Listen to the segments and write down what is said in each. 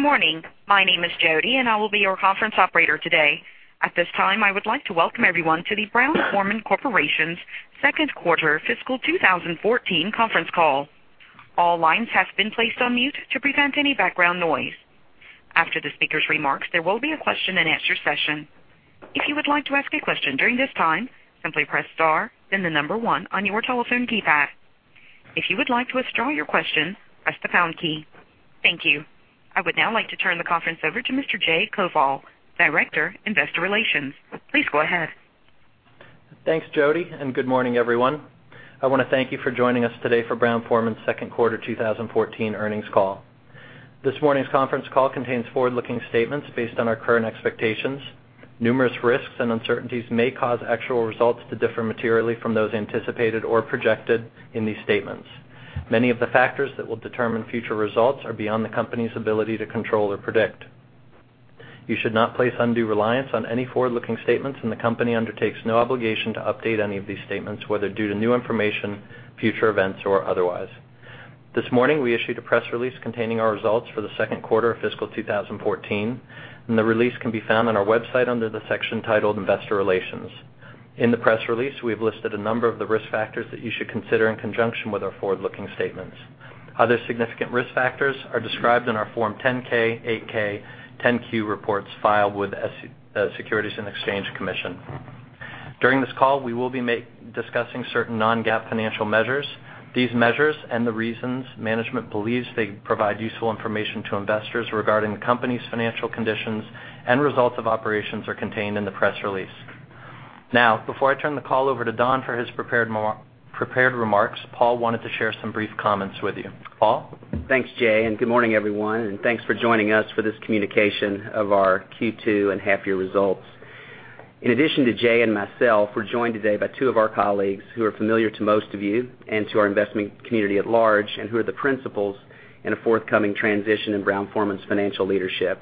Good morning. My name is Jody, and I will be your conference operator today. At this time, I would like to welcome everyone to the Brown-Forman Corporation's second quarter fiscal 2014 conference call. All lines have been placed on mute to prevent any background noise. After the speaker's remarks, there will be a question and answer session. If you would like to ask a question during this time, simply press star, then the number one on your telephone keypad. If you would like to withdraw your question, press the pound key. Thank you. I would now like to turn the conference over to Mr. Jay Koval, Director, Investor Relations. Please go ahead. Thanks, Jody, and good morning, everyone. I want to thank you for joining us today for Brown-Forman's second quarter 2014 earnings call. This morning's conference call contains forward-looking statements based on our current expectations. Numerous risks and uncertainties may cause actual results to differ materially from those anticipated or projected in these statements. Many of the factors that will determine future results are beyond the company's ability to control or predict. You should not place undue reliance on any forward-looking statements, and the company undertakes no obligation to update any of these statements, whether due to new information, future events, or otherwise. This morning, we issued a press release containing our results for the second quarter of fiscal 2014, and the release can be found on our website under the section titled Investor Relations. In the press release, we have listed a number of the risk factors that you should consider in conjunction with our forward-looking statements. Other significant risk factors are described in our Form 10-K, 8-K, 10-Q reports filed with the Securities and Exchange Commission. During this call, we will be discussing certain non-GAAP financial measures. These measures and the reasons management believes they provide useful information to investors regarding the company's financial conditions and results of operations are contained in the press release. Before I turn the call over to Don for his prepared remarks, Paul wanted to share some brief comments with you. Paul? Thanks, Jay. Good morning, everyone, and thanks for joining us for this communication of our Q2 and half-year results. In addition to Jay and myself, we're joined today by two of our colleagues who are familiar to most of you and to our investment community at large, and who are the principals in a forthcoming transition in Brown-Forman's financial leadership.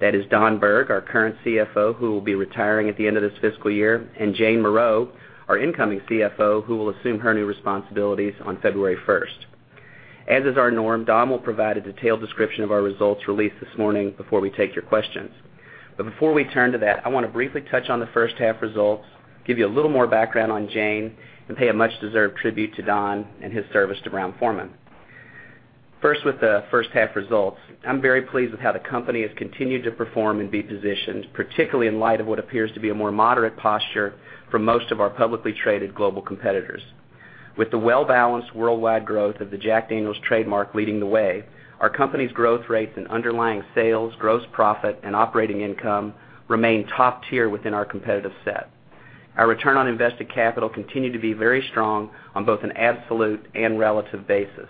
That is Don Berg, our current CFO, who will be retiring at the end of this fiscal year, and Jane Morreau, our incoming CFO, who will assume her new responsibilities on February 1st. As is our norm, Don will provide a detailed description of our results released this morning before we take your questions. Before we turn to that, I want to briefly touch on the first half results, give you a little more background on Jane, and pay a much-deserved tribute to Don and his service to Brown-Forman. First, with the first half results. I'm very pleased with how the company has continued to perform and be positioned, particularly in light of what appears to be a more moderate posture for most of our publicly traded global competitors. With the well-balanced worldwide growth of the Jack Daniel's trademark leading the way, our company's growth rates in underlying sales, gross profit, and operating income remain top tier within our competitive set. Our return on invested capital continued to be very strong on both an absolute and relative basis.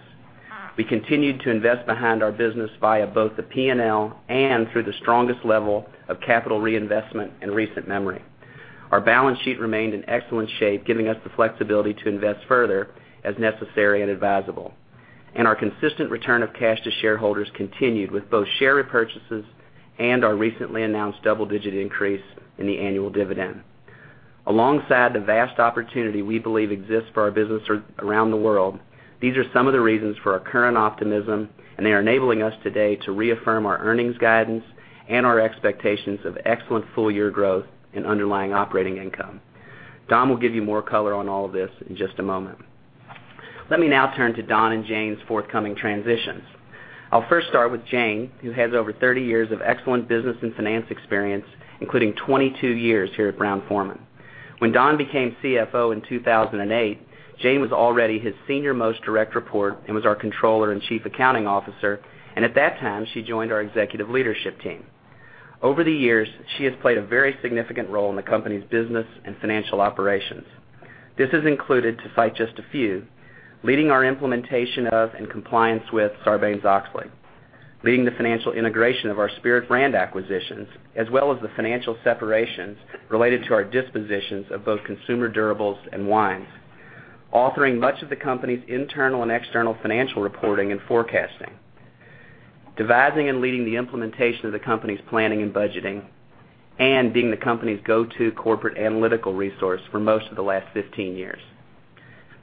We continued to invest behind our business via both the P&L and through the strongest level of capital reinvestment in recent memory. Our balance sheet remained in excellent shape, giving us the flexibility to invest further as necessary and advisable. Our consistent return of cash to shareholders continued with both share repurchases and our recently announced double-digit increase in the annual dividend. Alongside the vast opportunity we believe exists for our business around the world, these are some of the reasons for our current optimism, they are enabling us today to reaffirm our earnings guidance and our expectations of excellent full-year growth in underlying operating income. Don will give you more color on all of this in just a moment. Let me now turn to Don and Jane's forthcoming transitions. I'll first start with Jane, who has over 30 years of excellent business and finance experience, including 22 years here at Brown-Forman. When Don became CFO in 2008, Jane was already his senior-most direct report and was our controller and chief accounting officer. At that time, she joined our executive leadership team. Over the years, she has played a very significant role in the company's business and financial operations. This has included, to cite just a few: leading our implementation of and compliance with Sarbanes-Oxley, leading the financial integration of our Spirit brand acquisitions, as well as the financial separations related to our dispositions of both consumer durables and wines, authoring much of the company's internal and external financial reporting and forecasting, devising and leading the implementation of the company's planning and budgeting, and being the company's go-to corporate analytical resource for most of the last 15 years.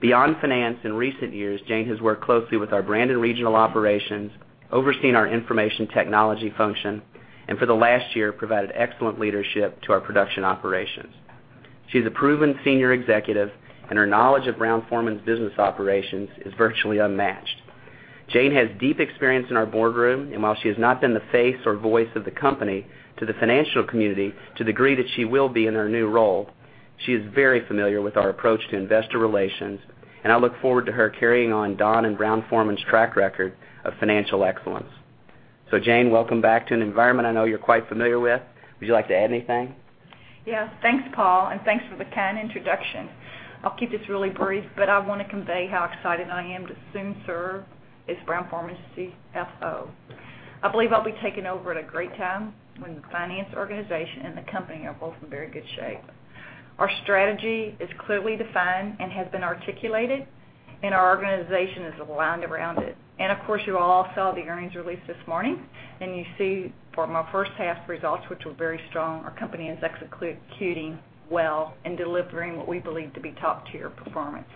Beyond finance, in recent years, Jane has worked closely with our brand and regional operations, overseen our information technology function, for the last year, provided excellent leadership to our production operations. She's a proven senior executive, her knowledge of Brown-Forman's business operations is virtually unmatched. Jane has deep experience in our boardroom, while she has not been the face or voice of the company to the financial community to the degree that she will be in her new role, she is very familiar with our approach to investor relations, I look forward to her carrying on Don and Brown-Forman's track record of financial excellence. Jane, welcome back to an environment I know you're quite familiar with. Would you like to add anything? Yeah. Thanks, Paul, and thanks for the kind introduction. I'll keep this really brief, but I want to convey how excited I am to soon serve as Brown-Forman's CFO. I believe I'll be taking over at a great time when the finance organization and the company are both in very good shape. Our strategy is clearly defined and has been articulated, our organization is aligned around it. Of course, you all saw the earnings release this morning, and you see from our first half results, which were very strong, our company is executing well and delivering what we believe to be top-tier performance.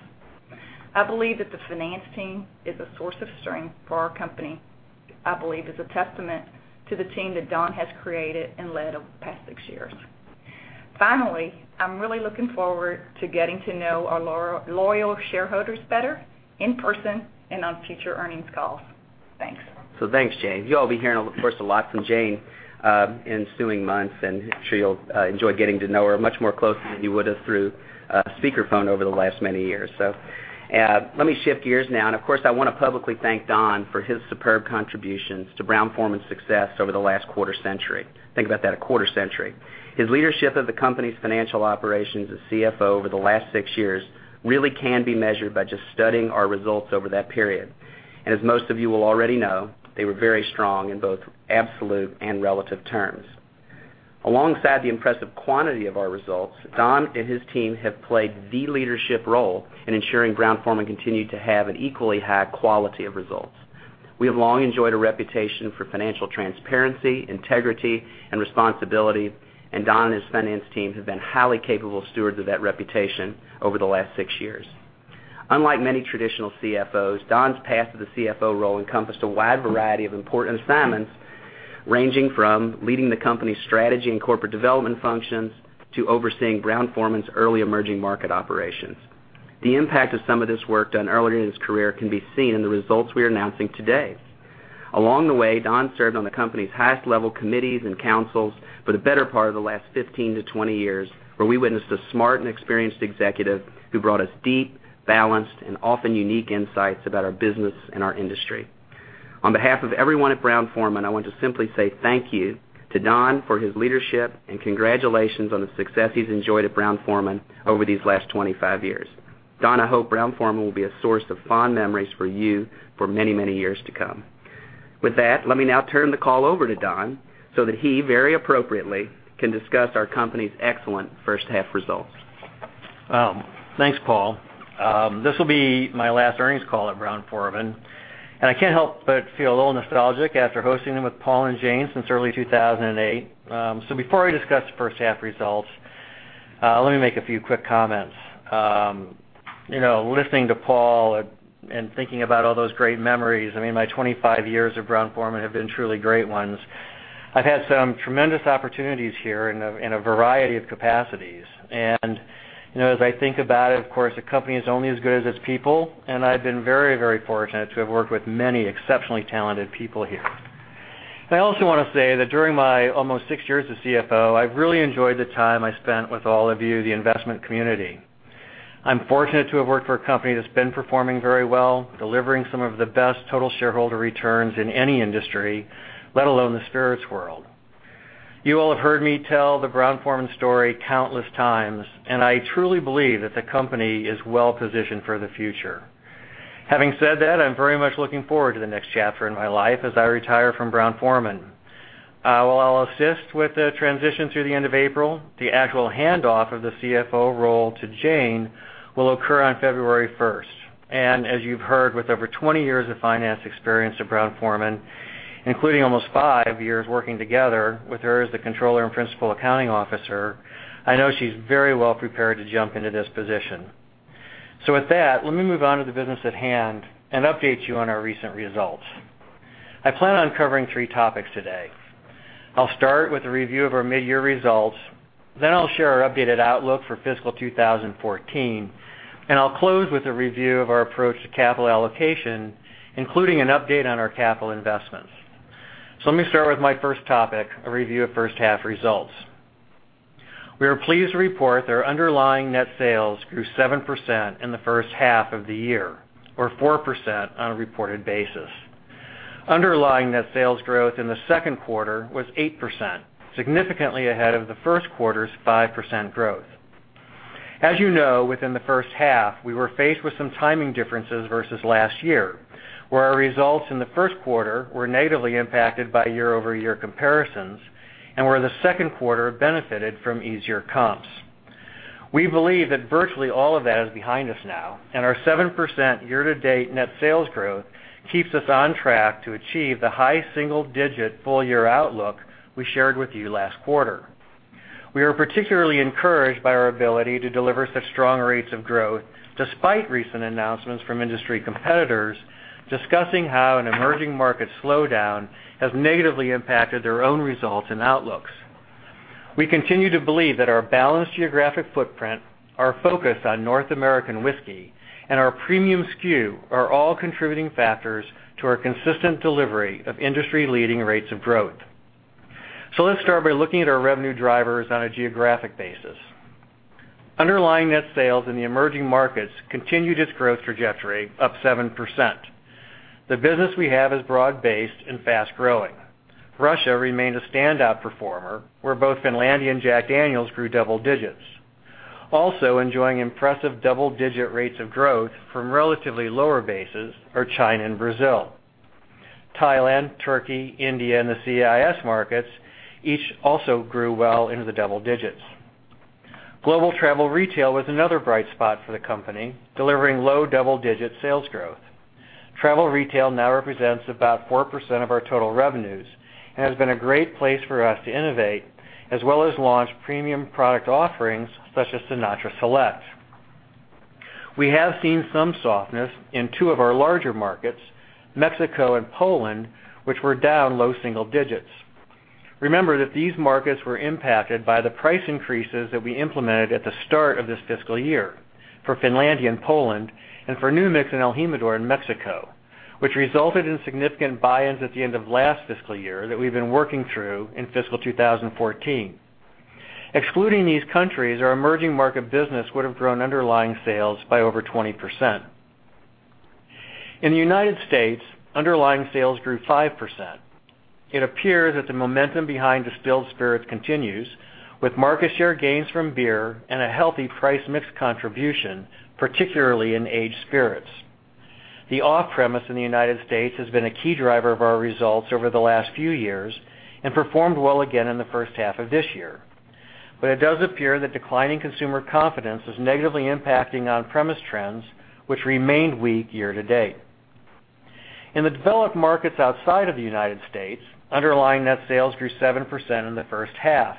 I believe that the finance team is a source of strength for our company. I believe it's a testament to the team that Don has created and led over the past six years. Finally, I'm really looking forward to getting to know our loyal shareholders better in person and on future earnings calls. Thanks. Thanks, Jane. You'll all be hearing, of course, a lot from Jane in ensuing months, and I'm sure you'll enjoy getting to know her much more closely than you would have through speaker phone over the last many years. Let me shift gears now. Of course, I want to publicly thank Don for his superb contributions to Brown-Forman's success over the last quarter-century. Think about that, a quarter-century. His leadership of the company's financial operations as CFO over the last six years really can be measured by just studying our results over that period. As most of you will already know, they were very strong in both absolute and relative terms. Alongside the impressive quantity of our results, Don and his team have played the leadership role in ensuring Brown-Forman continued to have an equally high quality of results. We have long enjoyed a reputation for financial transparency, integrity and responsibility, Don and his finance team have been highly capable stewards of that reputation over the last six years. Unlike many traditional CFOs, Don's path to the CFO role encompassed a wide variety of important assignments, ranging from leading the company's strategy and corporate development functions to overseeing Brown-Forman's early emerging market operations. The impact of some of this work done earlier in his career can be seen in the results we are announcing today. Along the way, Don served on the company's highest-level committees and councils for the better part of the last 15-20 years, where we witnessed a smart and experienced executive who brought us deep, balanced, and often unique insights about our business and our industry. On behalf of everyone at Brown-Forman, I want to simply say thank you to Don for his leadership, and congratulations on the success he's enjoyed at Brown-Forman over these last 25 years. Don, I hope Brown-Forman will be a source of fond memories for you for many, many years to come. Let me now turn the call over to Don so that he, very appropriately, can discuss our company's excellent first half results. Thanks, Paul. This will be my last earnings call at Brown-Forman, and I can't help but feel a little nostalgic after hosting them with Paul and Jane since early 2008. Before I discuss the first half results, let me make a few quick comments. Listening to Paul and thinking about all those great memories, my 25 years at Brown-Forman have been truly great ones. I've had some tremendous opportunities here in a variety of capacities. As I think about it, of course, a company is only as good as its people, and I've been very, very fortunate to have worked with many exceptionally talented people here. I also want to say that during my almost six years as CFO, I've really enjoyed the time I spent with all of you, the investment community. I'm fortunate to have worked for a company that's been performing very well, delivering some of the best total shareholder returns in any industry, let alone the spirits world. You all have heard me tell the Brown-Forman story countless times, and I truly believe that the company is well positioned for the future. Having said that, I'm very much looking forward to the next chapter in my life as I retire from Brown-Forman. While I'll assist with the transition through the end of April, the actual handoff of the CFO role to Jane will occur on February 1st. As you've heard, with over 20 years of finance experience at Brown-Forman, including almost five years working together with her as the controller and principal accounting officer, I know she's very well prepared to jump into this position. With that, let me move on to the business at hand and update you on our recent results. I plan on covering three topics today. I'll start with a review of our mid-year results, I'll share our updated outlook for fiscal 2014, and I'll close with a review of our approach to capital allocation, including an update on our capital investments. Let me start with my first topic, a review of first half results. We are pleased to report that our underlying net sales grew 7% in the first half of the year, or 4% on a reported basis. Underlying net sales growth in the second quarter was 8%, significantly ahead of the first quarter's 5% growth. As you know, within the first half, we were faced with some timing differences versus last year, where our results in the first quarter were negatively impacted by year-over-year comparisons and where the second quarter benefited from easier comps. We believe that virtually all of that is behind us now. Our 7% year-to-date net sales growth keeps us on track to achieve the high single-digit full-year outlook we shared with you last quarter. We are particularly encouraged by our ability to deliver such strong rates of growth, despite recent announcements from industry competitors discussing how an emerging market slowdown has negatively impacted their own results and outlooks. We continue to believe that our balanced geographic footprint, our focus on North American whiskey, and our premium SKU are all contributing factors to our consistent delivery of industry-leading rates of growth. Let's start by looking at our revenue drivers on a geographic basis. Underlying net sales in the emerging markets continued its growth trajectory up 7%. The business we have is broad-based and fast-growing. Russia remained a standout performer, where both Finlandia and Jack Daniel's grew double digits. Also enjoying impressive double-digit rates of growth from relatively lower bases are China and Brazil. Thailand, Turkey, India, and the CIS markets each also grew well into the double digits. Global travel retail was another bright spot for the company, delivering low double-digit sales growth. Travel retail now represents about 4% of our total revenues and has been a great place for us to innovate as well as launch premium product offerings such as Sinatra Select. We have seen some softness in two of our larger markets, Mexico and Poland, which were down low single digits. Remember that these markets were impacted by the price increases that we implemented at the start of this fiscal year for Finlandia and Poland and for New Mix and el Jimador in Mexico, which resulted in significant buy-ins at the end of last fiscal year that we've been working through in fiscal 2014. Excluding these countries, our emerging market business would have grown underlying sales by over 20%. In the U.S., underlying sales grew 5%. It appears that the momentum behind distilled spirits continues, with market share gains from beer and a healthy price mix contribution, particularly in aged spirits. The off-premise in the U.S. has been a key driver of our results over the last few years and performed well again in the first half of this year. It does appear that declining consumer confidence is negatively impacting on-premise trends, which remained weak year-to-date. In the developed markets outside of the U.S., underlying net sales grew 7% in the first half.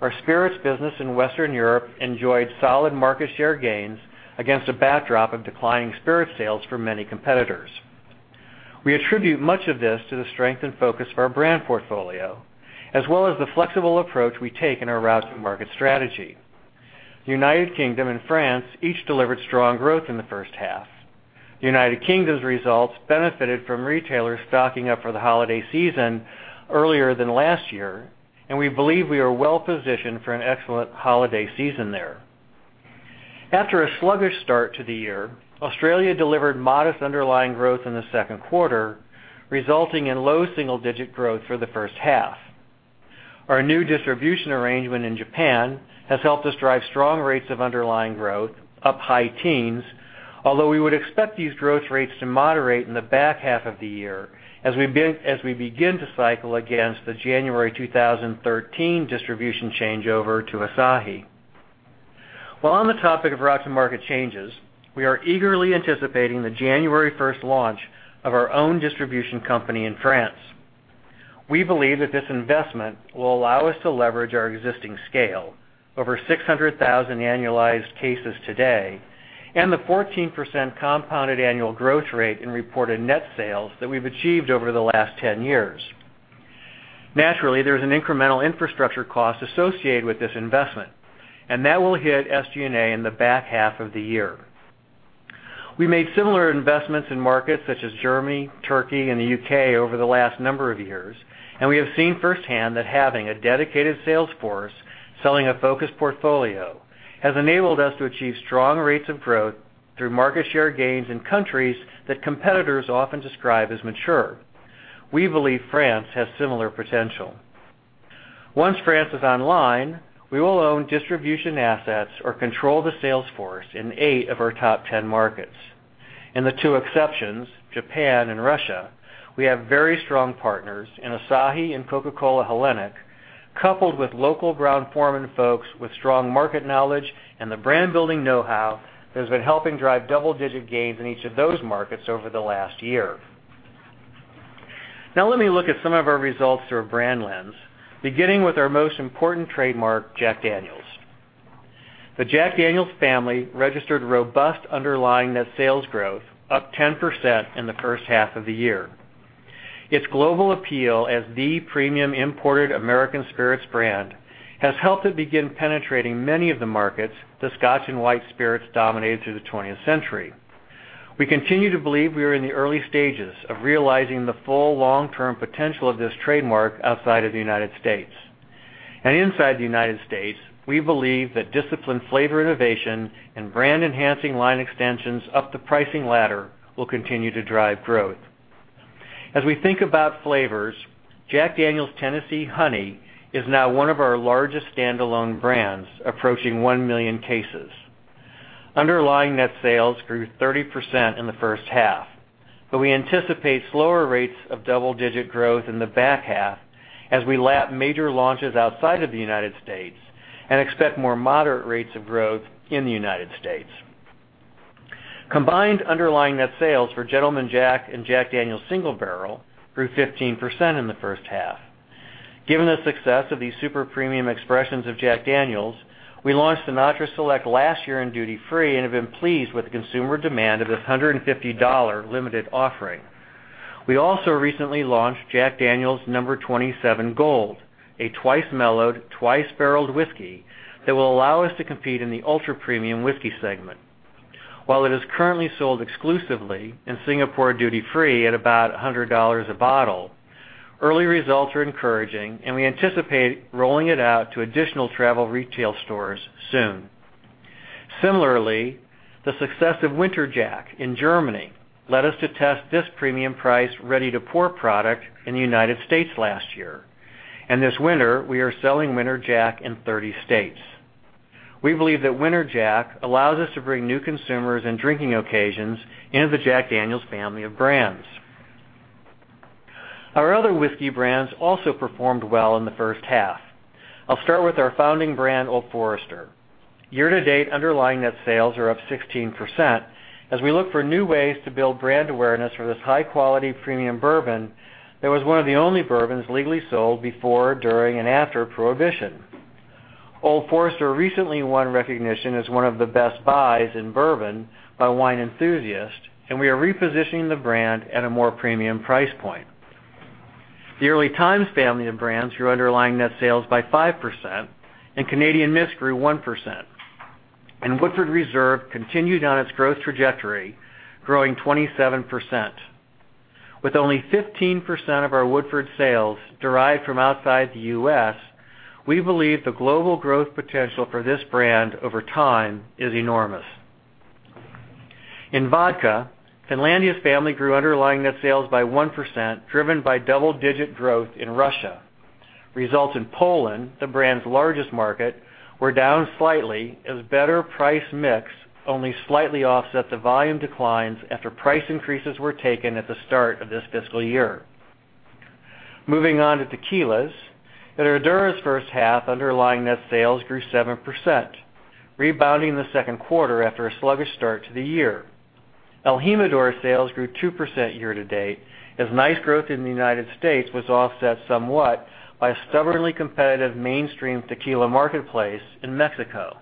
Our spirits business in Western Europe enjoyed solid market share gains against a backdrop of declining spirit sales for many competitors. We attribute much of this to the strength and focus of our brand portfolio, as well as the flexible approach we take in our route to market strategy. The U.K. and France each delivered strong growth in the first half. The U.K.'s results benefited from retailers stocking up for the holiday season earlier than last year. We believe we are well positioned for an excellent holiday season there. After a sluggish start to the year, Australia delivered modest underlying growth in the second quarter, resulting in low single-digit growth for the first half. Our new distribution arrangement in Japan has helped us drive strong rates of underlying growth, up high teens, although we would expect these growth rates to moderate in the back half of the year as we begin to cycle against the January 2013 distribution changeover to Asahi. While on the topic of route to market changes, we are eagerly anticipating the January 1 launch of our own distribution company in France. We believe that this investment will allow us to leverage our existing scale, over 600,000 annualized cases today, and the 14% compounded annual growth rate in reported net sales that we've achieved over the last 10 years. Naturally, there is an incremental infrastructure cost associated with this investment, and that will hit SG&A in the back half of the year. We made similar investments in markets such as Germany, Turkey, and the U.K. over the last number of years. We have seen firsthand that having a dedicated sales force selling a focused portfolio has enabled us to achieve strong rates of growth through market share gains in countries that competitors often describe as mature. We believe France has similar potential. Once France is online, we will own distribution assets or control the sales force in eight of our top 10 markets. In the two exceptions, Japan and Russia, we have very strong partners in Asahi and Coca-Cola Hellenic, coupled with local Brown-Forman folks with strong market knowledge and the brand building know-how that has been helping drive double-digit gains in each of those markets over the last year. Let me look at some of our results through a brand lens, beginning with our most important trademark, Jack Daniel's. The Jack Daniel's family registered robust underlying net sales growth, up 10% in the first half of the year. Its global appeal as the premium imported American spirits brand has helped it begin penetrating many of the markets that Scotch and white spirits dominated through the 20th century. We continue to believe we are in the early stages of realizing the full long-term potential of this trademark outside of the United States. Inside the United States, we believe that disciplined flavor innovation and brand-enhancing line extensions up the pricing ladder will continue to drive growth. As we think about flavors, Jack Daniel's Tennessee Honey is now one of our largest standalone brands, approaching 1 million cases. Underlying net sales grew 30% in the first half. We anticipate slower rates of double-digit growth in the back half as we lap major launches outside of the United States and expect more moderate rates of growth in the United States. Combined underlying net sales for Gentleman Jack and Jack Daniel's Single Barrel grew 15% in the first half. Given the success of these super premium expressions of Jack Daniel's, we launched Sinatra Select last year in duty-free and have been pleased with the consumer demand of this $150 limited offering. We also recently launched Jack Daniel's No. 27 Gold, a twice-mellowed, twice-barreled whiskey that will allow us to compete in the ultra-premium whiskey segment. While it is currently sold exclusively in Singapore duty-free at about $100 a bottle, early results are encouraging. We anticipate rolling it out to additional travel retail stores soon. Similarly, the success of Winter Jack in Germany led us to test this premium price, ready-to-pour product in the U.S. last year. This winter, we are selling Winter Jack in 30 states. We believe that Winter Jack allows us to bring new consumers and drinking occasions into the Jack Daniel's family of brands. Our other whiskey brands also performed well in the first half. I'll start with our founding brand, Old Forester. Year to date, underlying net sales are up 16% as we look for new ways to build brand awareness for this high-quality, premium bourbon that was one of the only bourbons legally sold before, during, and after Prohibition. Old Forester recently won recognition as one of the best buys in bourbon by Wine Enthusiast, and we are repositioning the brand at a more premium price point. The Early Times family of brands grew underlying net sales by 5%, and Canadian Mist grew 1%. Woodford Reserve continued on its growth trajectory, growing 27%. With only 15% of our Woodford sales derived from outside the U.S., we believe the global growth potential for this brand over time is enormous. In vodka, Finlandia's family grew underlying net sales by 1%, driven by double-digit growth in Russia. Results in Poland, the brand's largest market, were down slightly as better price mix only slightly offset the volume declines after price increases were taken at the start of this fiscal year. Moving on to tequilas. Herradura's first half underlying net sales grew 7%, rebounding in the second quarter after a sluggish start to the year. el Jimador sales grew 2% year to date as nice growth in the U.S. was offset somewhat by a stubbornly competitive mainstream tequila marketplace in Mexico.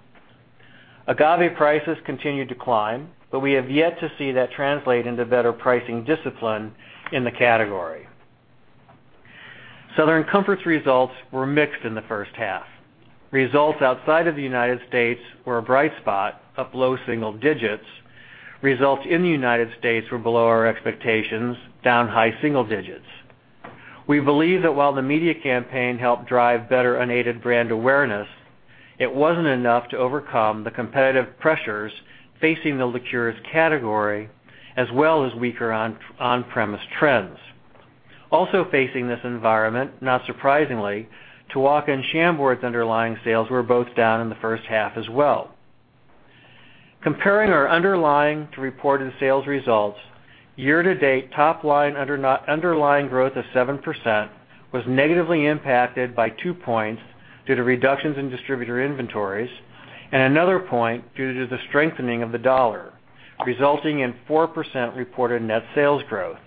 Agave prices continued to climb, but we have yet to see that translate into better pricing discipline in the category. Southern Comfort's results were mixed in the first half. Results outside of the U.S. were a bright spot, up low single digits. Results in the U.S. were below our expectations, down high single digits. We believe that while the media campaign helped drive better unaided brand awareness, it wasn't enough to overcome the competitive pressures facing the liqueurs category, as well as weaker on-premise trends. Also facing this environment, not surprisingly, Tuaca and Chambord's underlying sales were both down in the first half as well. Comparing our underlying to reported sales results, year to date, top line underlying growth of 7% was negatively impacted by two points due to reductions in distributor inventories and another point due to the strengthening of the dollar, resulting in 4% reported net sales growth.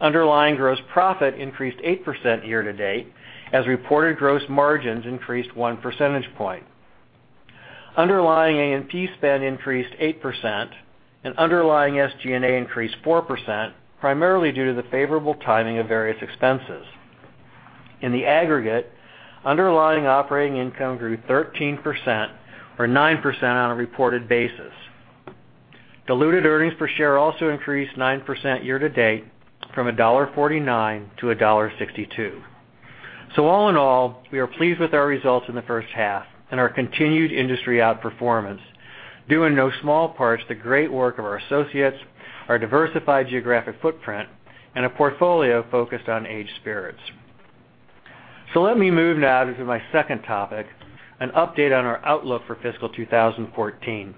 Underlying gross profit increased 8% year to date as reported gross margins increased one percentage point. Underlying A&P spend increased 8%, and underlying SG&A increased 4%, primarily due to the favorable timing of various expenses. In the aggregate, underlying operating income grew 13%, or 9% on a reported basis. Diluted earnings per share also increased 9% year to date from $1.49 to $1.62. All in all, we are pleased with our results in the first half and our continued industry outperformance, due in no small part to the great work of our associates, our diversified geographic footprint, and a portfolio focused on aged spirits. Let me move now to my second topic, an update on our outlook for fiscal 2014.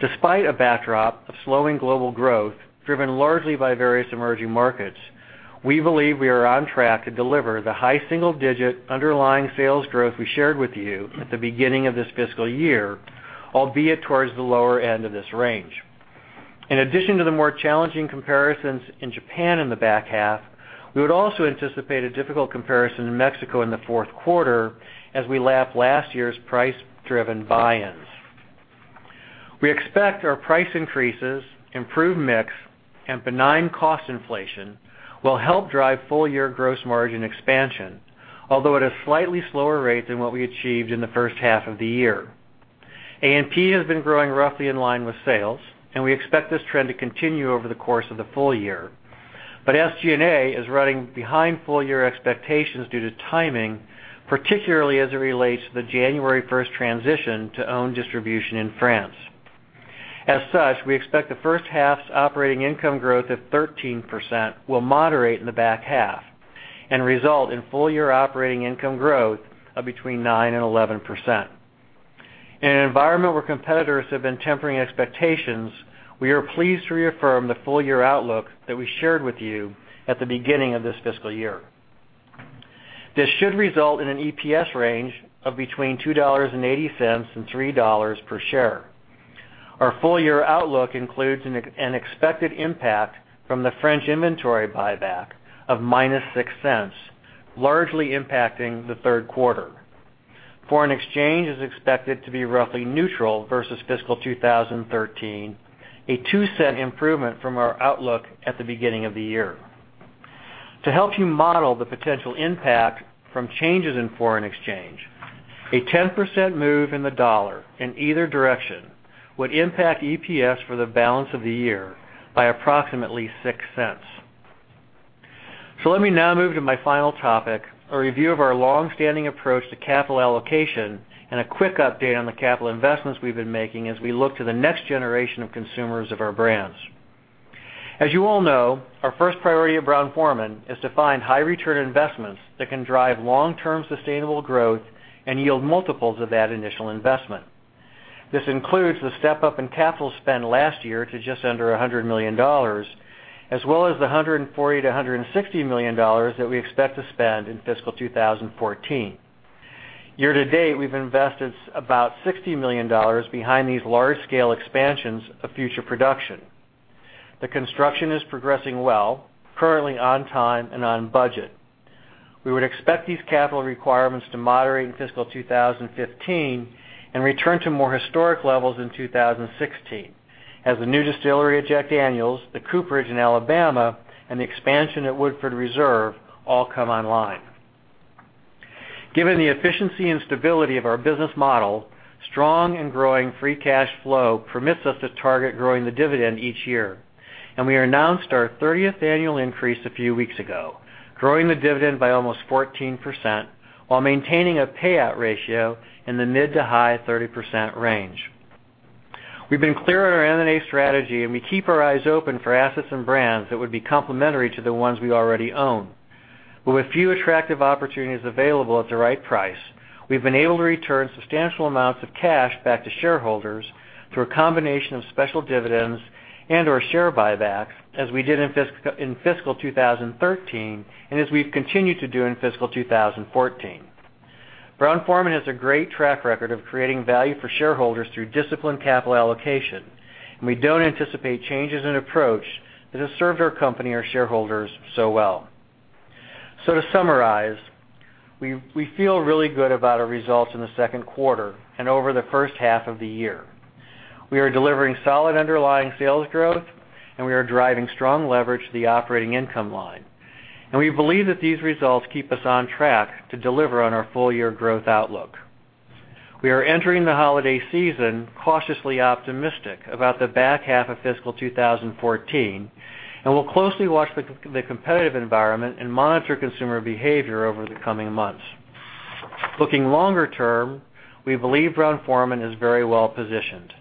Despite a backdrop of slowing global growth, driven largely by various emerging markets, we believe we are on track to deliver the high single-digit underlying sales growth we shared with you at the beginning of this fiscal year, albeit towards the lower end of this range. In addition to the more challenging comparisons in Japan in the back half, we would also anticipate a difficult comparison in Mexico in the fourth quarter as we lap last year's price-driven buy-ins. We expect our price increases, improved mix, and benign cost inflation will help drive full-year gross margin expansion, although at a slightly slower rate than what we achieved in the first half of the year. A&P has been growing roughly in line with sales. We expect this trend to continue over the course of the full year. SG&A is running behind full-year expectations due to timing, particularly as it relates to the January 1 transition to own distribution in France. As such, we expect the first half's operating income growth of 13% will moderate in the back half and result in full-year operating income growth of between 9%-11%. In an environment where competitors have been tempering expectations, we are pleased to reaffirm the full-year outlook that we shared with you at the beginning of this fiscal year. This should result in an EPS range of between $2.80-$3 per share. Our full-year outlook includes an expected impact from the French inventory buyback of -$0.06, largely impacting the third quarter. Foreign exchange is expected to be roughly neutral versus fiscal 2013, a $0.02 improvement from our outlook at the beginning of the year. To help you model the potential impact from changes in foreign exchange, a 10% move in the dollar in either direction would impact EPS for the balance of the year by approximately $0.06. Let me now move to my final topic, a review of our long-standing approach to capital allocation and a quick update on the capital investments we've been making as we look to the next generation of consumers of our brands. As you all know, our first priority at Brown-Forman is to find high-return investments that can drive long-term sustainable growth and yield multiples of that initial investment. This includes the step-up in capital spend last year to just under $100 million, as well as the $140 million-$160 million that we expect to spend in fiscal 2014. Year to date, we've invested about $60 million behind these large-scale expansions of future production. The construction is progressing well, currently on time and on budget. We would expect these capital requirements to moderate in fiscal 2015 and return to more historic levels in 2016 as the new distillery at Jack Daniel's, the cooperage in Alabama, and the expansion at Woodford Reserve all come online. Given the efficiency and stability of our business model, strong and growing free cash flow permits us to target growing the dividend each year. We announced our 30th annual increase a few weeks ago, growing the dividend by almost 14% while maintaining a payout ratio in the mid to high 30% range. We've been clear on our M&A strategy. We keep our eyes open for assets and brands that would be complementary to the ones we already own. With few attractive opportunities available at the right price, we've been able to return substantial amounts of cash back to shareholders through a combination of special dividends and/or share buybacks, as we did in fiscal 2013, and as we've continued to do in fiscal 2014. Brown-Forman has a great track record of creating value for shareholders through disciplined capital allocation. We don't anticipate changes in approach that has served our company or shareholders so well. To summarize, we feel really good about our results in the second quarter and over the first half of the year. We are delivering solid underlying sales growth. We are driving strong leverage to the operating income line. We believe that these results keep us on track to deliver on our full-year growth outlook. We are entering the holiday season cautiously optimistic about the back half of fiscal 2014. We'll closely watch the competitive environment and monitor consumer behavior over the coming months. Looking longer term, we believe Brown-Forman is very well-positioned.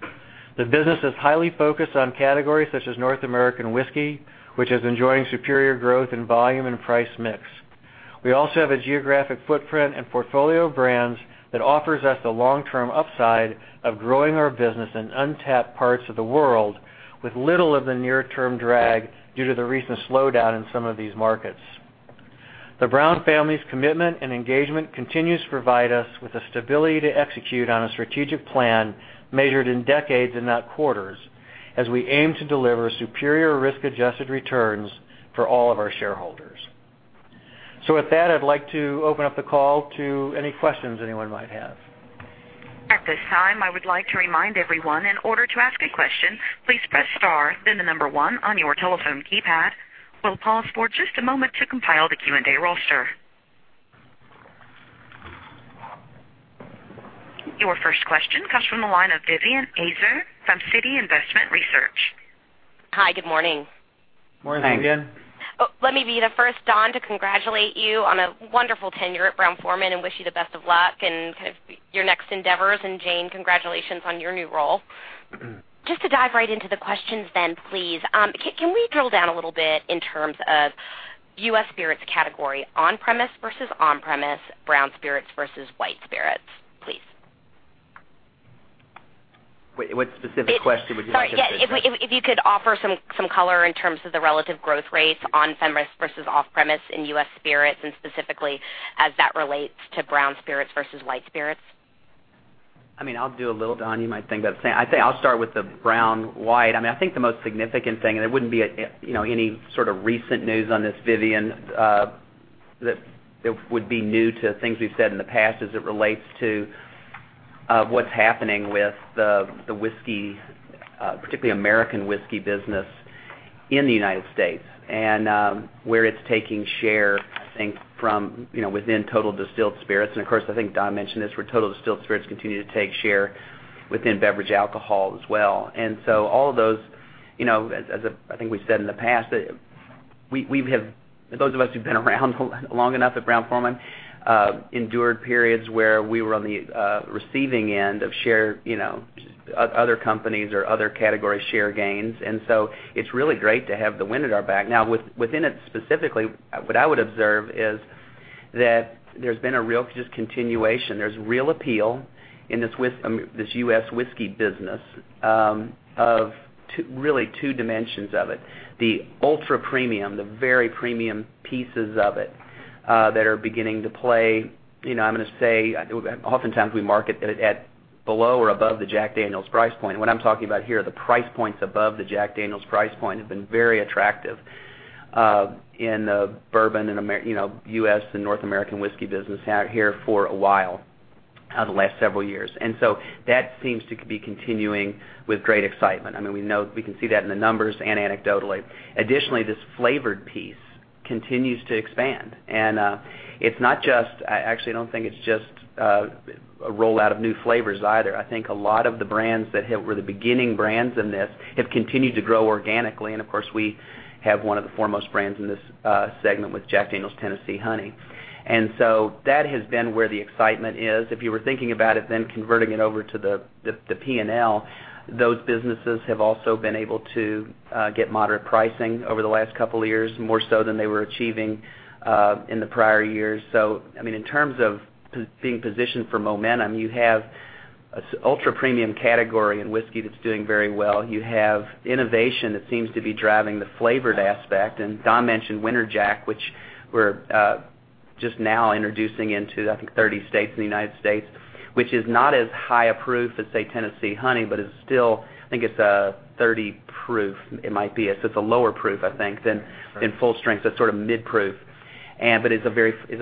The business is highly focused on categories such as North American whiskey, which is enjoying superior growth in volume and price mix. We also have a geographic footprint and portfolio of brands that offers us the long-term upside of growing our business in untapped parts of the world with little of the near-term drag due to the recent slowdown in some of these markets. The Brown family's commitment and engagement continues to provide us with the stability to execute on a strategic plan measured in decades and not quarters as we aim to deliver superior risk-adjusted returns for all of our shareholders. With that, I'd like to open up the call to any questions anyone might have. At this time, I would like to remind everyone, in order to ask a question, please press star, then the number 1 on your telephone keypad. We'll pause for just a moment to compile the Q&A roster. Your first question comes from the line of Vivien Azer from Citi Investment Research. Hi, good morning. Morning, Vivien. Thanks. Let me be the first, Don, to congratulate you on a wonderful tenure at Brown-Forman and wish you the best of luck in your next endeavors. Jane, congratulations on your new role. Just to dive right into the questions then, please. Can we drill down a little bit in terms of U.S. spirits category, on-premise versus off-premise, brown spirits versus white spirits, please? What specific question would you like us to- Sorry, yeah. If you could offer some color in terms of the relative growth rates on-premise versus off-premise in U.S. spirits, and specifically as that relates to brown spirits versus white spirits. I'll do a little, Don, you might think I'll start with the brown/white. I think the most significant thing, there wouldn't be any sort of recent news on this, Vivien, that would be new to things we've said in the past as it relates to what's happening with the whiskey, particularly American whiskey business in the United States, and where it's taking share, I think from within total distilled spirits. Of course, I think Don mentioned this, where total distilled spirits continue to take share within beverage alcohol as well. All of those, as I think we've said in the past, those of us who've been around long enough at Brown-Forman endured periods where we were on the receiving end of other companies' or other categories' share gains. It's really great to have the wind at our back. Now, within it specifically, what I would observe is that there's been a real continuation. There's real appeal in this U.S. whiskey business of really two dimensions of it. The ultra premium, the very premium pieces of it that are beginning to play. I'm going to say, oftentimes we market it at below or above the Jack Daniel's price point. What I'm talking about here are the price points above the Jack Daniel's price point have been very attractive in the bourbon, U.S., and North American whiskey business out here for a while, the last several years. That seems to be continuing with great excitement. We can see that in the numbers and anecdotally. Additionally, this flavored piece continues to expand. I actually don't think it's just a rollout of new flavors either. I think a lot of the brands that were the beginning brands in this have continued to grow organically. Of course, we have one of the foremost brands in this segment with Jack Daniel's Tennessee Honey. That has been where the excitement is. If you were thinking about it, then converting it over to the P&L, those businesses have also been able to get moderate pricing over the last couple of years, more so than they were achieving in the prior years. In terms of being positioned for momentum, you have It's ultra-premium category in whiskey that's doing very well. You have innovation that seems to be driving the flavored aspect. Don mentioned Winter Jack, which we're just now introducing into, I think, 30 states in the United States, which is not as high a proof as, say, Jack Daniel's Tennessee Honey, but is still, I think, it's a 30 proof. It might be. It's a lower proof, I think, than full strength. That's sort of mid-proof. It's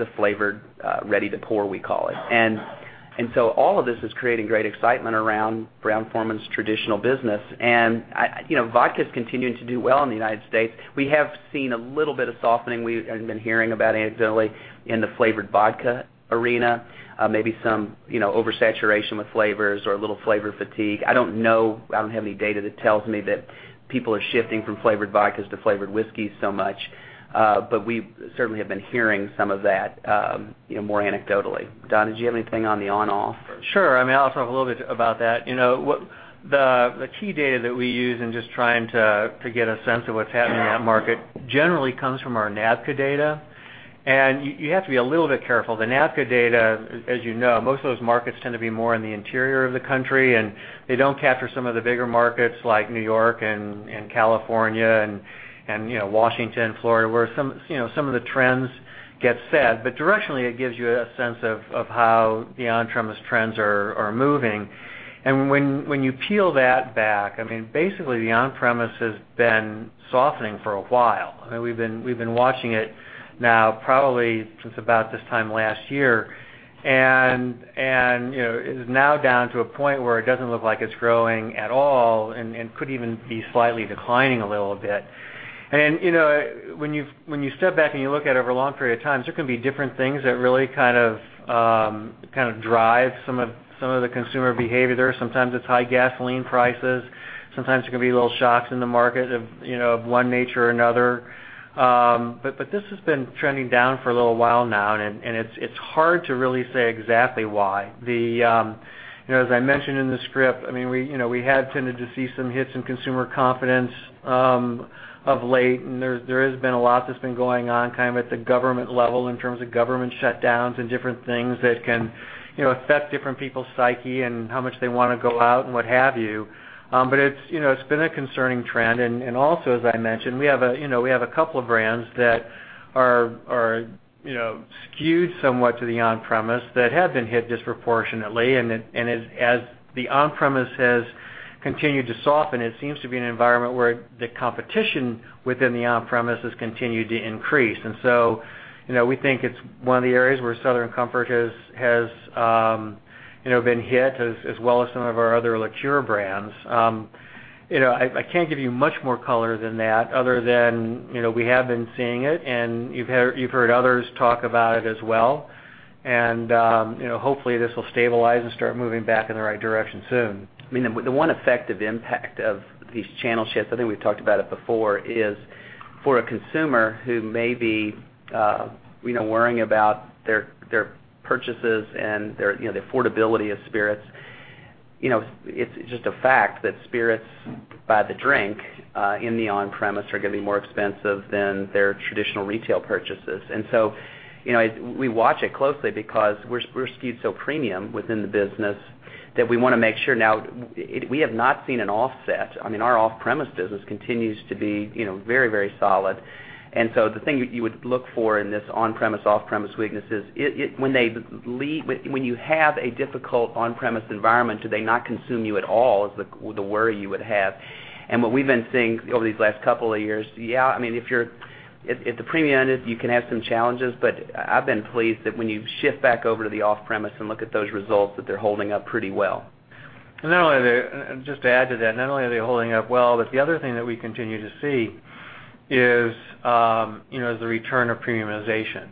a flavored ready-to-pour, we call it. All of this is creating great excitement around Brown-Forman's traditional business. Vodka is continuing to do well in the United States. We have seen a little bit of softening. We have been hearing about anecdotally in the flavored vodka arena, maybe some oversaturation with flavors or a little flavor fatigue. I don't know. I don't have any data that tells me that people are shifting from flavored vodkas to flavored whiskey so much. We certainly have been hearing some of that, more anecdotally. Don, did you have anything on the on-off? Sure. I'll talk a little bit about that. The key data that we use in just trying to get a sense of what's happening in that market generally comes from our NABCA data. You have to be a little bit careful. The NABCA data, as you know, most of those markets tend to be more in the interior of the country, and they don't capture some of the bigger markets like New York and California and Washington, Florida, where some of the trends get set. Directionally, it gives you a sense of how the on-premise trends are moving. When you peel that back, basically, the on-premise has been softening for a while. We've been watching it now probably since about this time last year, and it is now down to a point where it doesn't look like it's growing at all and could even be slightly declining a little bit. When you step back and you look at it over a long period of time, there can be different things that really drive some of the consumer behavior there. Sometimes it's high gasoline prices. Sometimes it can be little shocks in the market of one nature or another. This has been trending down for a little while now, and it's hard to really say exactly why. As I mentioned in the script, we have tended to see some hits in consumer confidence of late, and there has been a lot that's been going on at the government level in terms of government shutdowns and different things that can affect different people's psyche and how much they want to go out and what have you. It's been a concerning trend. Also, as I mentioned, we have a couple of brands that are skewed somewhat to the on-premise that have been hit disproportionately. As the on-premise has continued to soften, it seems to be an environment where the competition within the on-premise has continued to increase. We think it's one of the areas where Southern Comfort has been hit, as well as some of our other liqueur brands. I can't give you much more color than that other than we have been seeing it, and you've heard others talk about it as well. Hopefully, this will stabilize and start moving back in the right direction soon. The one effective impact of these channel shifts, I think we've talked about it before, is for a consumer who may be worrying about their purchases and the affordability of spirits. It's just a fact that spirits by the drink in the on-premise are going to be more expensive than their traditional retail purchases. We watch it closely because we're skewed so premium within the business that we want to make sure. Now, we have not seen an offset. Our off-premise business continues to be very solid. The thing that you would look for in this on-premise, off-premise weakness is when you have a difficult on-premise environment, do they not consume you at all, is the worry you would have. What we've been seeing over these last couple of years, yeah, at the premium end, you can have some challenges, but I've been pleased that when you shift back over to the off-premise and look at those results, that they're holding up pretty well. Just to add to that, not only are they holding up well, but the other thing that we continue to see is the return of premiumization.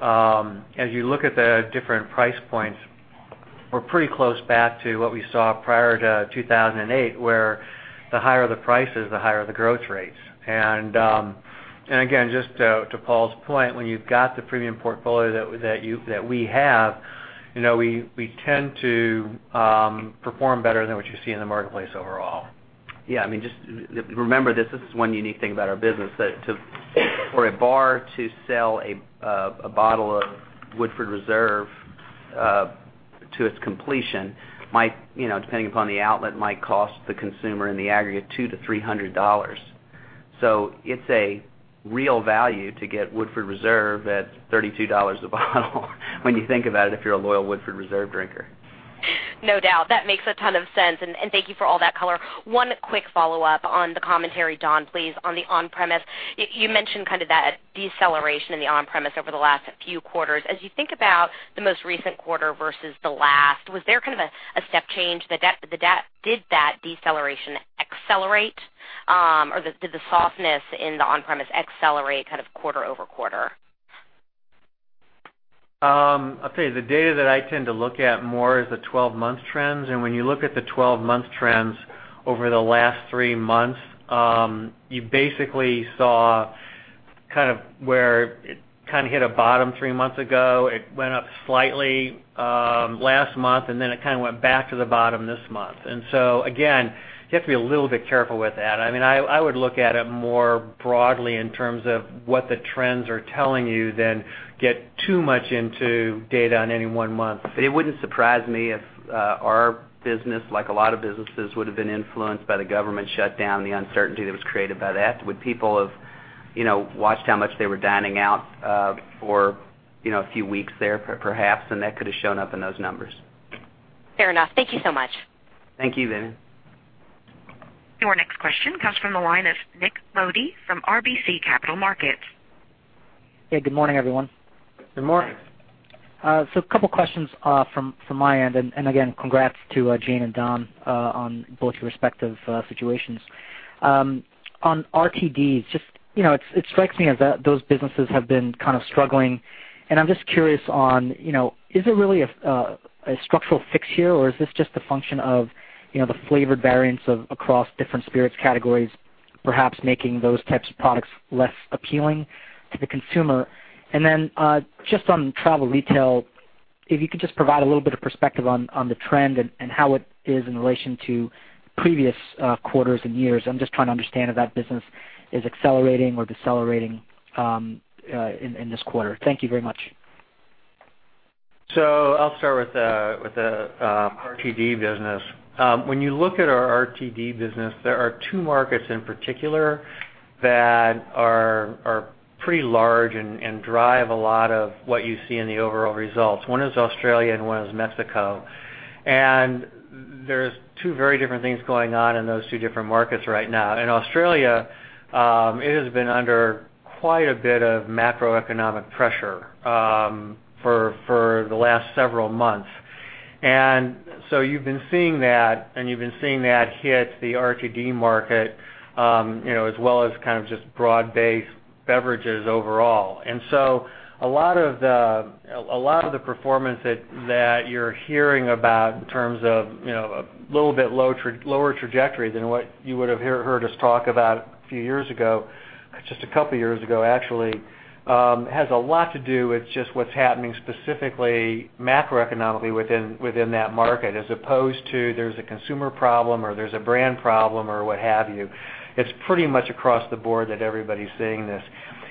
As you look at the different price points, we're pretty close back to what we saw prior to 2008, where the higher the prices, the higher the growth rates. Just to Paul's point, when you've got the premium portfolio that we have, we tend to perform better than what you see in the marketplace overall. Yeah. Remember, this is one unique thing about our business, that for a bar to sell a bottle of Woodford Reserve to its completion, depending upon the outlet, might cost the consumer in the aggregate $200-$300. It's a real value to get Woodford Reserve at $32 a bottle when you think about it, if you're a loyal Woodford Reserve drinker. No doubt. That makes a ton of sense, and thank you for all that color. One quick follow-up on the commentary, Don, please, on the on-premise. You mentioned that deceleration in the on-premise over the last few quarters. As you think about the most recent quarter versus the last, was there a step change? Did that deceleration accelerate, or did the softness in the on-premise accelerate quarter-over-quarter? I'll tell you, the data that I tend to look at more is the 12-month trends. When you look at the 12-month trends over the last three months, you basically saw where it hit a bottom three months ago. It went up slightly last month, then it went back to the bottom this month. Again, you have to be a little bit careful with that. I would look at it more broadly in terms of what the trends are telling you than Get too much into data on any one month. It wouldn't surprise me if our business, like a lot of businesses, would've been influenced by the government shutdown, the uncertainty that was created by that, would people have watched how much they were dining out for a few weeks there perhaps, and that could've shown up in those numbers. Fair enough. Thank you so much. Thank you, Vivien. Your next question comes from the line of Nik Modi from RBC Capital Markets. Hey, good morning, everyone. Good morning. Good morning. A couple questions from my end, again, congrats to Jane and Don on both your respective situations. On RTDs, it strikes me as those businesses have been kind of struggling, and I'm just curious on, is it really a structural fix here, or is this just a function of the flavored variants of across different spirits categories, perhaps making those types of products less appealing to the consumer? Then, just on travel retail, if you could just provide a little bit of perspective on the trend and how it is in relation to previous quarters and years. I'm just trying to understand if that business is accelerating or decelerating in this quarter. Thank you very much. I'll start with the RTD business. When you look at our RTD business, there are two markets in particular that are pretty large and drive a lot of what you see in the overall results. One is Australia and one is Mexico. There's two very different things going on in those two different markets right now. In Australia, it has been under quite a bit of macroeconomic pressure for the last several months. You've been seeing that, and you've been seeing that hit the RTD market, as well as kind of just broad-based beverages overall. A lot of the performance that you're hearing about in terms of a little bit lower trajectory than what you would've heard us talk about a few years ago, just a couple of years ago actually, has a lot to do with just what's happening specifically macroeconomically within that market, as opposed to there's a consumer problem or there's a brand problem or what have you. It's pretty much across the board that everybody's seeing this.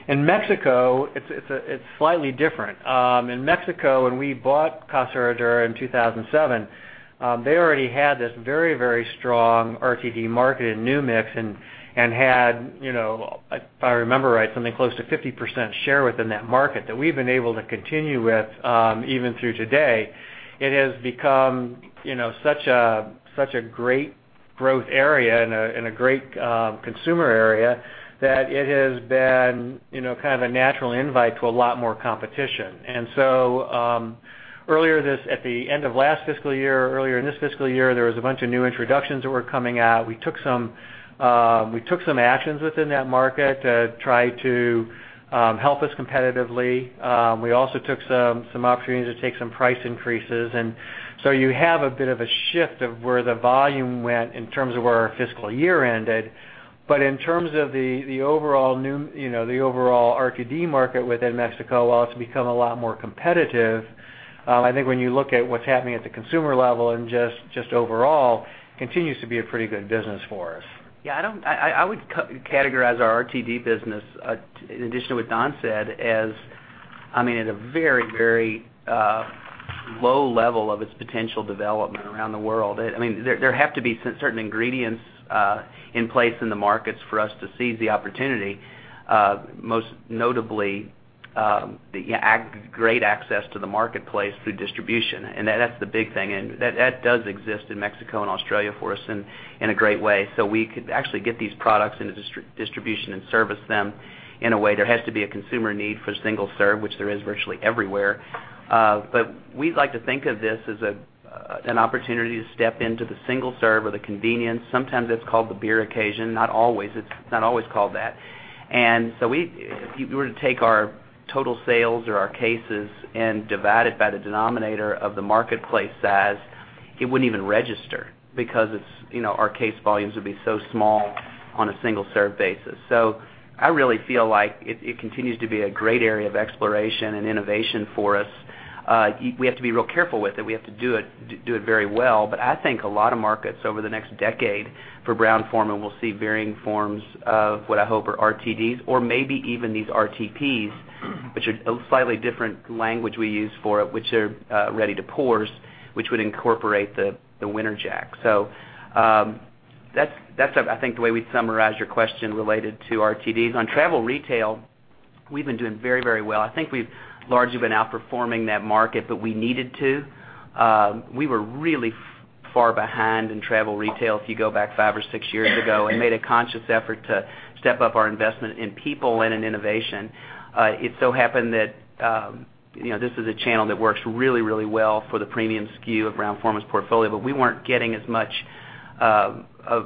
In Mexico, it's slightly different. In Mexico, when we bought Casa Herradura in 2007, they already had this very, very strong RTD market in New Mix and had, if I remember right, something close to 50% share within that market that we've been able to continue with, even through today. It has become such a great growth area and a great consumer area that it has been kind of a natural invite to a lot more competition. At the end of last fiscal year, earlier in this fiscal year, there was a bunch of new introductions that were coming out. We took some actions within that market to try to help us competitively. We also took some opportunities to take some price increases, you have a bit of a shift of where the volume went in terms of where our fiscal year ended. In terms of the overall RTD market within Mexico, while it's become a lot more competitive, I think when you look at what's happening at the consumer level and just overall, continues to be a pretty good business for us. Yeah, I would categorize our RTD business, in addition to what Don said, as at a very, very low level of its potential development around the world. There have to be certain ingredients in place in the markets for us to seize the opportunity, most notably, the great access to the marketplace through distribution. That's the big thing, and that does exist in Mexico and Australia for us in a great way. We could actually get these products into distribution and service them in a way. There has to be a consumer need for single-serve, which there is virtually everywhere. We'd like to think of this as an opportunity to step into the single serve or the convenience. Sometimes it's called the beer occasion. It's not always called that. If you were to take our total sales or our cases and divide it by the denominator of the marketplace size, it wouldn't even register because our case volumes would be so small on a single-serve basis. I really feel like it continues to be a great area of exploration and innovation for us. We have to be real careful with it. We have to do it very well. I think a lot of markets over the next decade for Brown-Forman will see varying forms of what I hope are RTDs or maybe even these RTPs, which are a slightly different language we use for it, which are ready to pours, which would incorporate the Winter Jack. That's I think the way we summarize your question related to RTDs. On travel retail, we've been doing very, very well. I think we've largely been outperforming that market, but we needed to. We were really far behind in travel retail if you go back five or six years ago, and made a conscious effort to step up our investment in people and in innovation. It so happened that this is a channel that works really, really well for the premium SKU of Brown-Forman's portfolio, but we weren't getting as much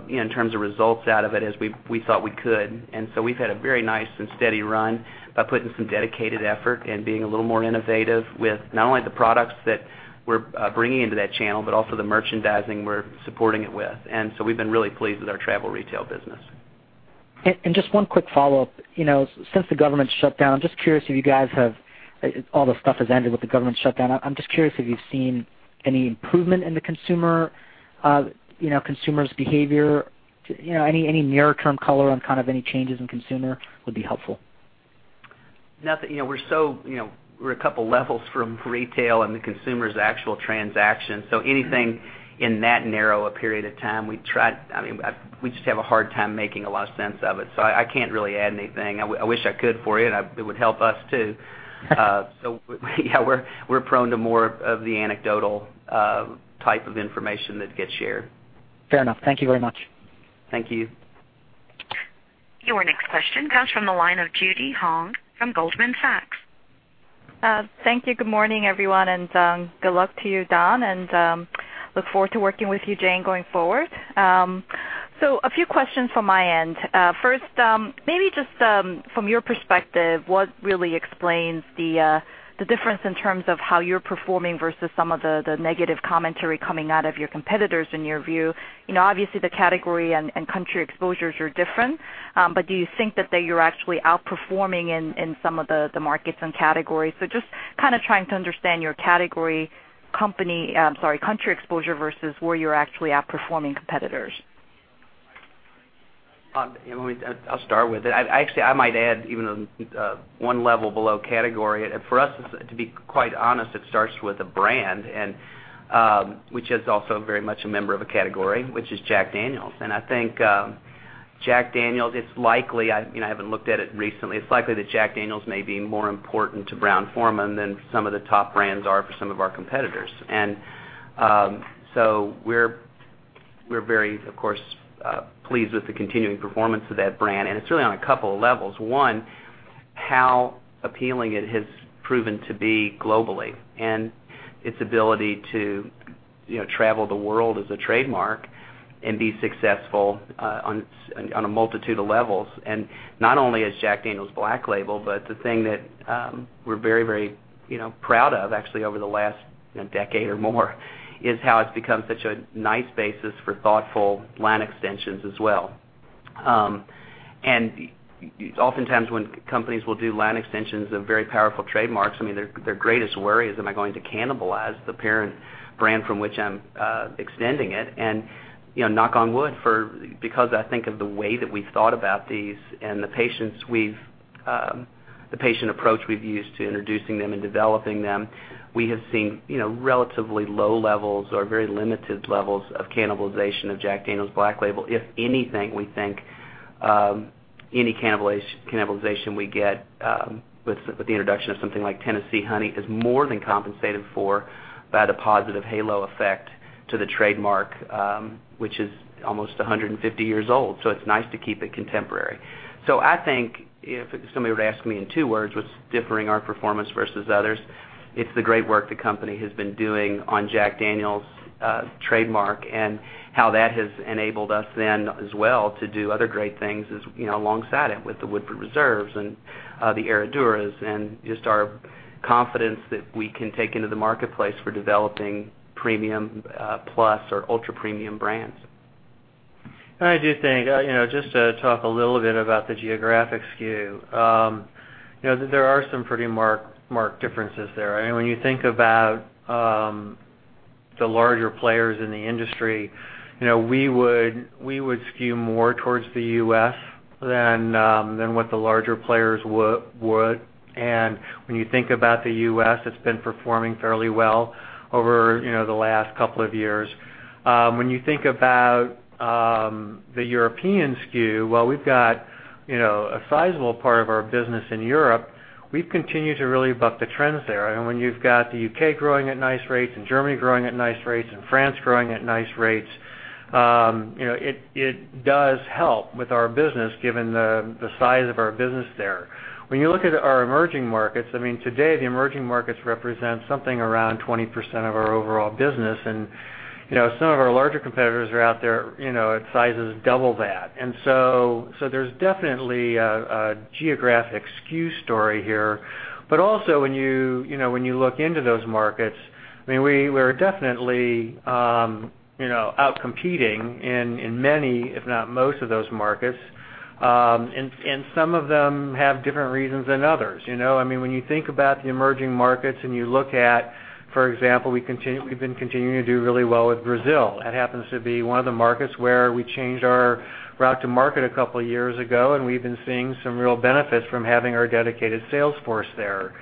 in terms of results out of it as we thought we could. We've had a very nice and steady run by putting some dedicated effort and being a little more innovative with not only the products that we're bringing into that channel, but also the merchandising we're supporting it with. We've been really pleased with our travel retail business. Just one quick follow-up. Since the government shutdown, all the stuff has ended with the government shutdown. I'm just curious if you've seen any improvement in the consumer's behavior. Any near-term color on any changes in consumer would be helpful. Nothing. We're a couple of levels from retail and the consumer's actual transaction. Anything in that narrow a period of time, we just have a hard time making a lot of sense of it. I can't really add anything. I wish I could for you, and it would help us, too. Yeah, we're prone to more of the anecdotal type of information that gets shared. Fair enough. Thank you very much. Thank you. Your next question comes from the line of Judy Hong from Goldman Sachs. Thank you. Good morning, everyone, and good luck to you, Don, and look forward to working with you, Jane, going forward. A few questions from my end. First, maybe just from your perspective, what really explains the difference in terms of how you're performing versus some of the negative commentary coming out of your competitors, in your view? Obviously, the category and country exposures are different. Do you think that you're actually outperforming in some of the markets and categories? Just trying to understand your category, country exposure versus where you're actually outperforming competitors. I'll start with it. Actually, I might add even one level below category. For us, to be quite honest, it starts with a brand, which is also very much a member of a category, which is Jack Daniel's. I think Jack Daniel's, it's likely, I haven't looked at it recently, it's likely that Jack Daniel's may be more important to Brown-Forman than some of the top brands are for some of our competitors. We're very, of course, pleased with the continuing performance of that brand, and it's really on a couple of levels. One, how appealing it has proven to be globally, and its ability to travel the world as a trademark and be successful on a multitude of levels. Not only is Jack Daniel's Black Label, but the thing that we're very proud of, actually, over the last decade or more, is how it's become such a nice basis for thoughtful line extensions as well. Oftentimes, when companies will do line extensions of very powerful trademarks, their greatest worry is, am I going to cannibalize the parent brand from which I'm extending it? Knock on wood, because I think of the way that we've thought about these and the patient approach we've used to introducing them and developing them, we have seen relatively low levels or very limited levels of cannibalization of Jack Daniel's Black Label. If anything, we think any cannibalization we get with the introduction of something like Tennessee Honey is more than compensated for by the positive halo effect to the trademark, which is almost 150 years old. It's nice to keep it contemporary. I think if somebody were to ask me in two words, what's differing our performance versus others? It's the great work the company has been doing on Jack Daniel's trademark and how that has enabled us then as well to do other great things alongside it, with the Woodford Reserve and the Herraduras, and just our confidence that we can take into the marketplace for developing premium plus or ultra-premium brands. I do think, just to talk a little bit about the geographic skew. There are some pretty marked differences there. When you think about the larger players in the industry, we would skew more towards the U.S. than what the larger players would. When you think about the U.S., it's been performing fairly well over the last couple of years. When you think about the European skew, while we've got a sizable part of our business in Europe, we've continued to really buck the trends there. When you've got the U.K. growing at nice rates and Germany growing at nice rates and France growing at nice rates, it does help with our business given the size of our business there. When you look at our emerging markets, today the emerging markets represent something around 20% of our overall business, and some of our larger competitors are out there at sizes double that. There's definitely a geographic skew story here. Also, when you look into those markets, we're definitely out-competing in many, if not most of those markets. Some of them have different reasons than others. When you think about the emerging markets and you look at, for example, we've been continuing to do really well with Brazil. That happens to be one of the markets where we changed our route to market a couple of years ago, and we've been seeing some real benefits from having our dedicated sales force there.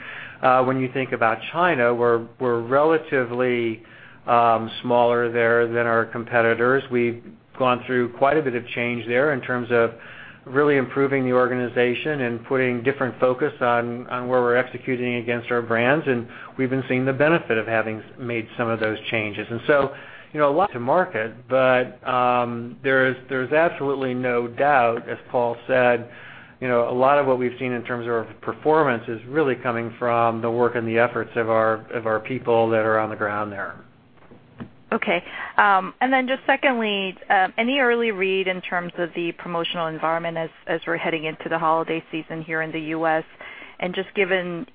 When you think about China, we're relatively smaller there than our competitors. We've gone through quite a bit of change there in terms of really improving the organization and putting different focus on where we're executing against our brands, and we've been seeing the benefit of having made some of those changes. A lot to market, but there's absolutely no doubt, as Paul said, a lot of what we've seen in terms of our performance is really coming from the work and the efforts of our people that are on the ground there. Okay. Just secondly, any early read in terms of the promotional environment as we're heading into the holiday season here in the U.S., and just given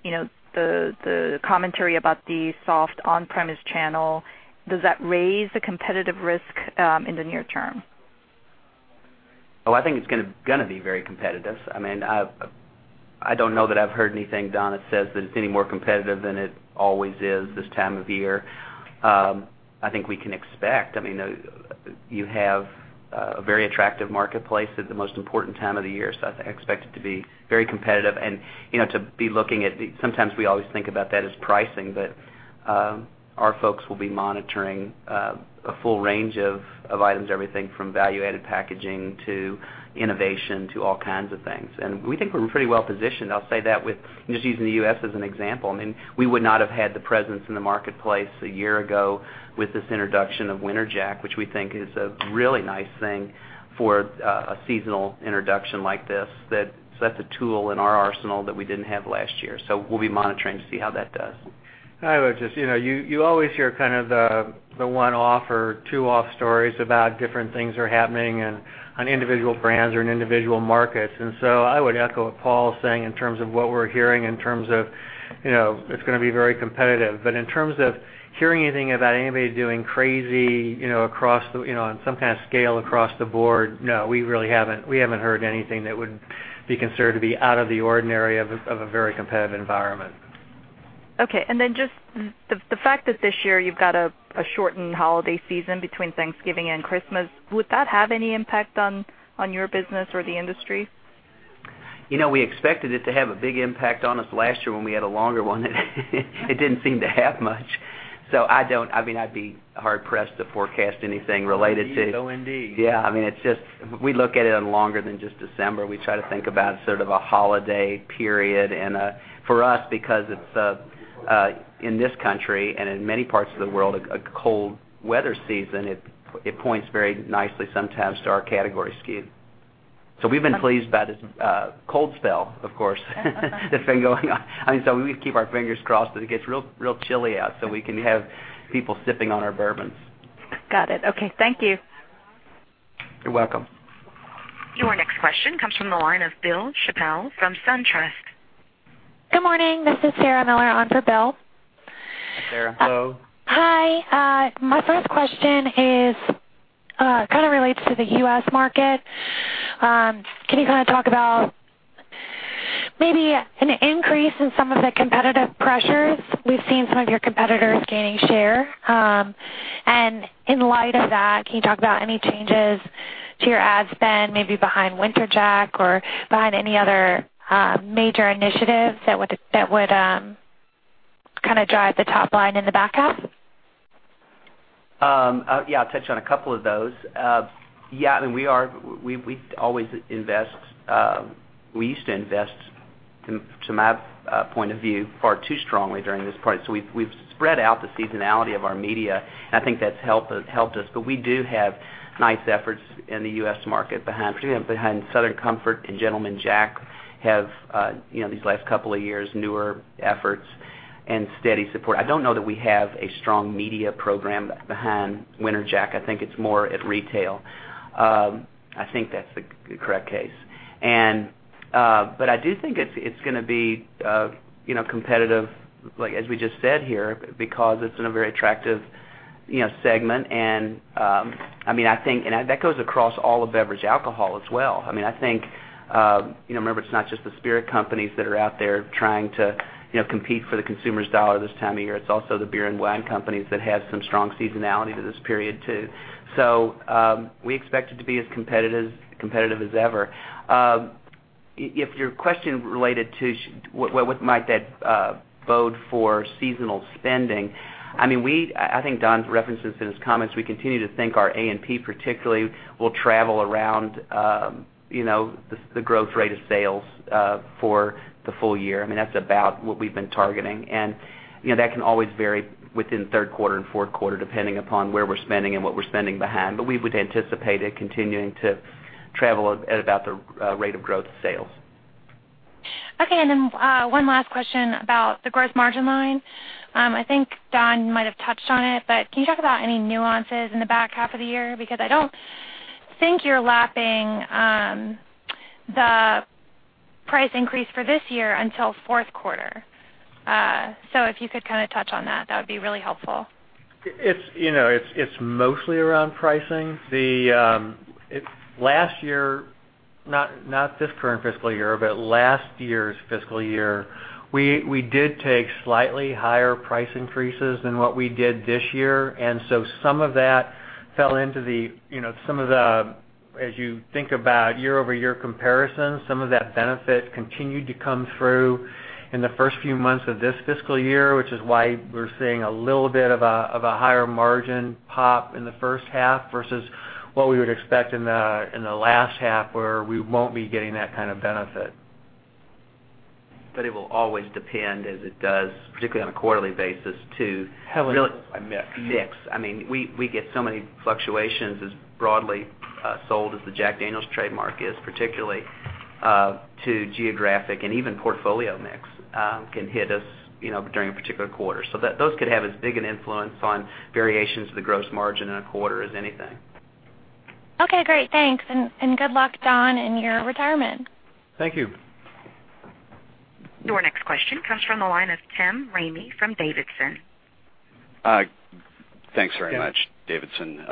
the commentary about the soft on-premise channel, does that raise the competitive risk in the near term? Oh, I think it's going to be very competitive. I don't know that I've heard anything, Don, that says that it's any more competitive than it always is this time of year. I think we can expect, you have a very attractive marketplace at the most important time of the year. I expect it to be very competitive and to be looking at sometimes we always think about that as pricing, but our folks will be monitoring a full range of items, everything from value-added packaging to innovation, to all kinds of things. We think we're pretty well positioned. I'll say that with just using the U.S. as an example. We would not have had the presence in the marketplace a year ago with this introduction of Winter Jack, which we think is a really nice thing for a seasonal introduction like this. That's a tool in our arsenal that we didn't have last year. We'll be monitoring to see how that does. I would just you always hear kind of the one-off or two-off stories about different things are happening and on individual brands or in individual markets. I would echo what Paul's saying in terms of what we're hearing in terms of, it's going to be very competitive. In terms of hearing anything about anybody doing crazy, on some kind of scale across the board, no, we really haven't heard anything that would be considered to be out of the ordinary of a very competitive environment. Okay. Just the fact that this year you've got a shortened holiday season between Thanksgiving and Christmas, would that have any impact on your business or the industry? We expected it to have a big impact on us last year when we had a longer one. It didn't seem to have much, so I'd be hard-pressed to forecast anything related to- Oh, indeed. Yeah. We look at it on longer than just December. We try to think about sort of a holiday period. For us, because it's, in this country and in many parts of the world, a cold weather season, it points very nicely sometimes to our category SKU. We've been pleased by this cold spell, of course, that's been going on. We keep our fingers crossed that it gets real chilly out, so we can have people sipping on our bourbons. Got it. Okay. Thank you. You're welcome. Your next question comes from the line of Bill Chappell from SunTrust. Good morning. This is Sarah Miller on for Bill. Hi, Sarah. Hello. Hi. My first question kind of relates to the U.S. market. Can you talk about maybe an increase in some of the competitive pressures? We've seen some of your competitors gaining share. In light of that, can you talk about any changes to your ad spend, maybe behind Winter Jack or behind any other major initiatives that would kind of drive the top line in the back half? Yeah, I'll touch on a couple of those. We used to invest, to my point of view, far too strongly during this part. We've spread out the seasonality of our media, and I think that's helped us. We do have nice efforts in the U.S. market behind Southern Comfort and Gentleman Jack have, these last couple of years, newer efforts and steady support. I don't know that we have a strong media program behind Winter Jack. I think it's more at retail. I think that's the correct case. I do think it's going to be competitive, like as we just said here, because it's in a very attractive segment, and that goes across all of beverage alcohol as well. Remember, it's not just the spirit companies that are out there trying to compete for the consumer's dollar this time of year. It's also the beer and wine companies that have some strong seasonality to this period, too. We expect it to be as competitive as ever. If your question related to what might that bode for seasonal spending, I think Don references in his comments, we continue to think our A&P particularly will travel around the growth rate of sales for the full year. That's about what we've been targeting. That can always vary within third quarter and fourth quarter, depending upon where we're spending and what we're spending behind. We would anticipate it continuing to travel at about the rate of growth sales. Okay. One last question about the gross margin line. I think Don might have touched on it, but can you talk about any nuances in the back half of the year? I don't think you're lapping the price increase for this year until fourth quarter. If you could kind of touch on that would be really helpful. It's mostly around pricing. Last year, not this current fiscal year, but last year's fiscal year, we did take slightly higher price increases than what we did this year, and so some of that fell into the-- As you think about year-over-year comparisons, some of that benefit continued to come through in the first few months of this fiscal year, which is why we're seeing a little bit of a higher margin pop in the first half versus what we would expect in the last half, where we won't be getting that kind of benefit. It will always depend as it does, particularly on a quarterly basis, to- Portfolio mix. mix. We get so many fluctuations as broadly sold as the Jack Daniel's trademark is, particularly to geographic and even portfolio mix, can hit us during a particular quarter. Those could have as big an influence on variations of the gross margin in a quarter as anything. Okay, great. Thanks, and good luck, Don, in your retirement. Thank you. Your next question comes from the line of Tim Ramey from Davidson. Thanks very much, Davidson.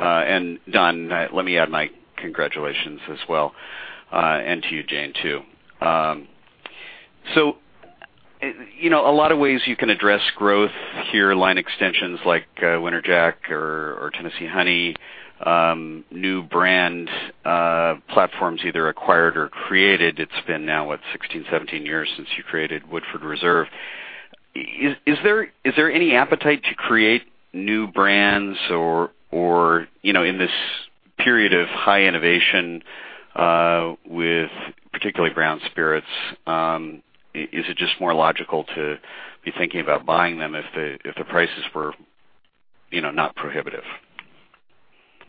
Don, let me add my congratulations as well, and to you, Jane, too. A lot of ways you can address growth here, line extensions like Winter Jack or Tennessee Honey, new brand platforms either acquired or created. It's been now, what, 16, 17 years since you created Woodford Reserve. Is there any appetite to create new brands or in this period of high innovation with particularly brown spirits, is it just more logical to be thinking about buying them if the prices were not prohibitive?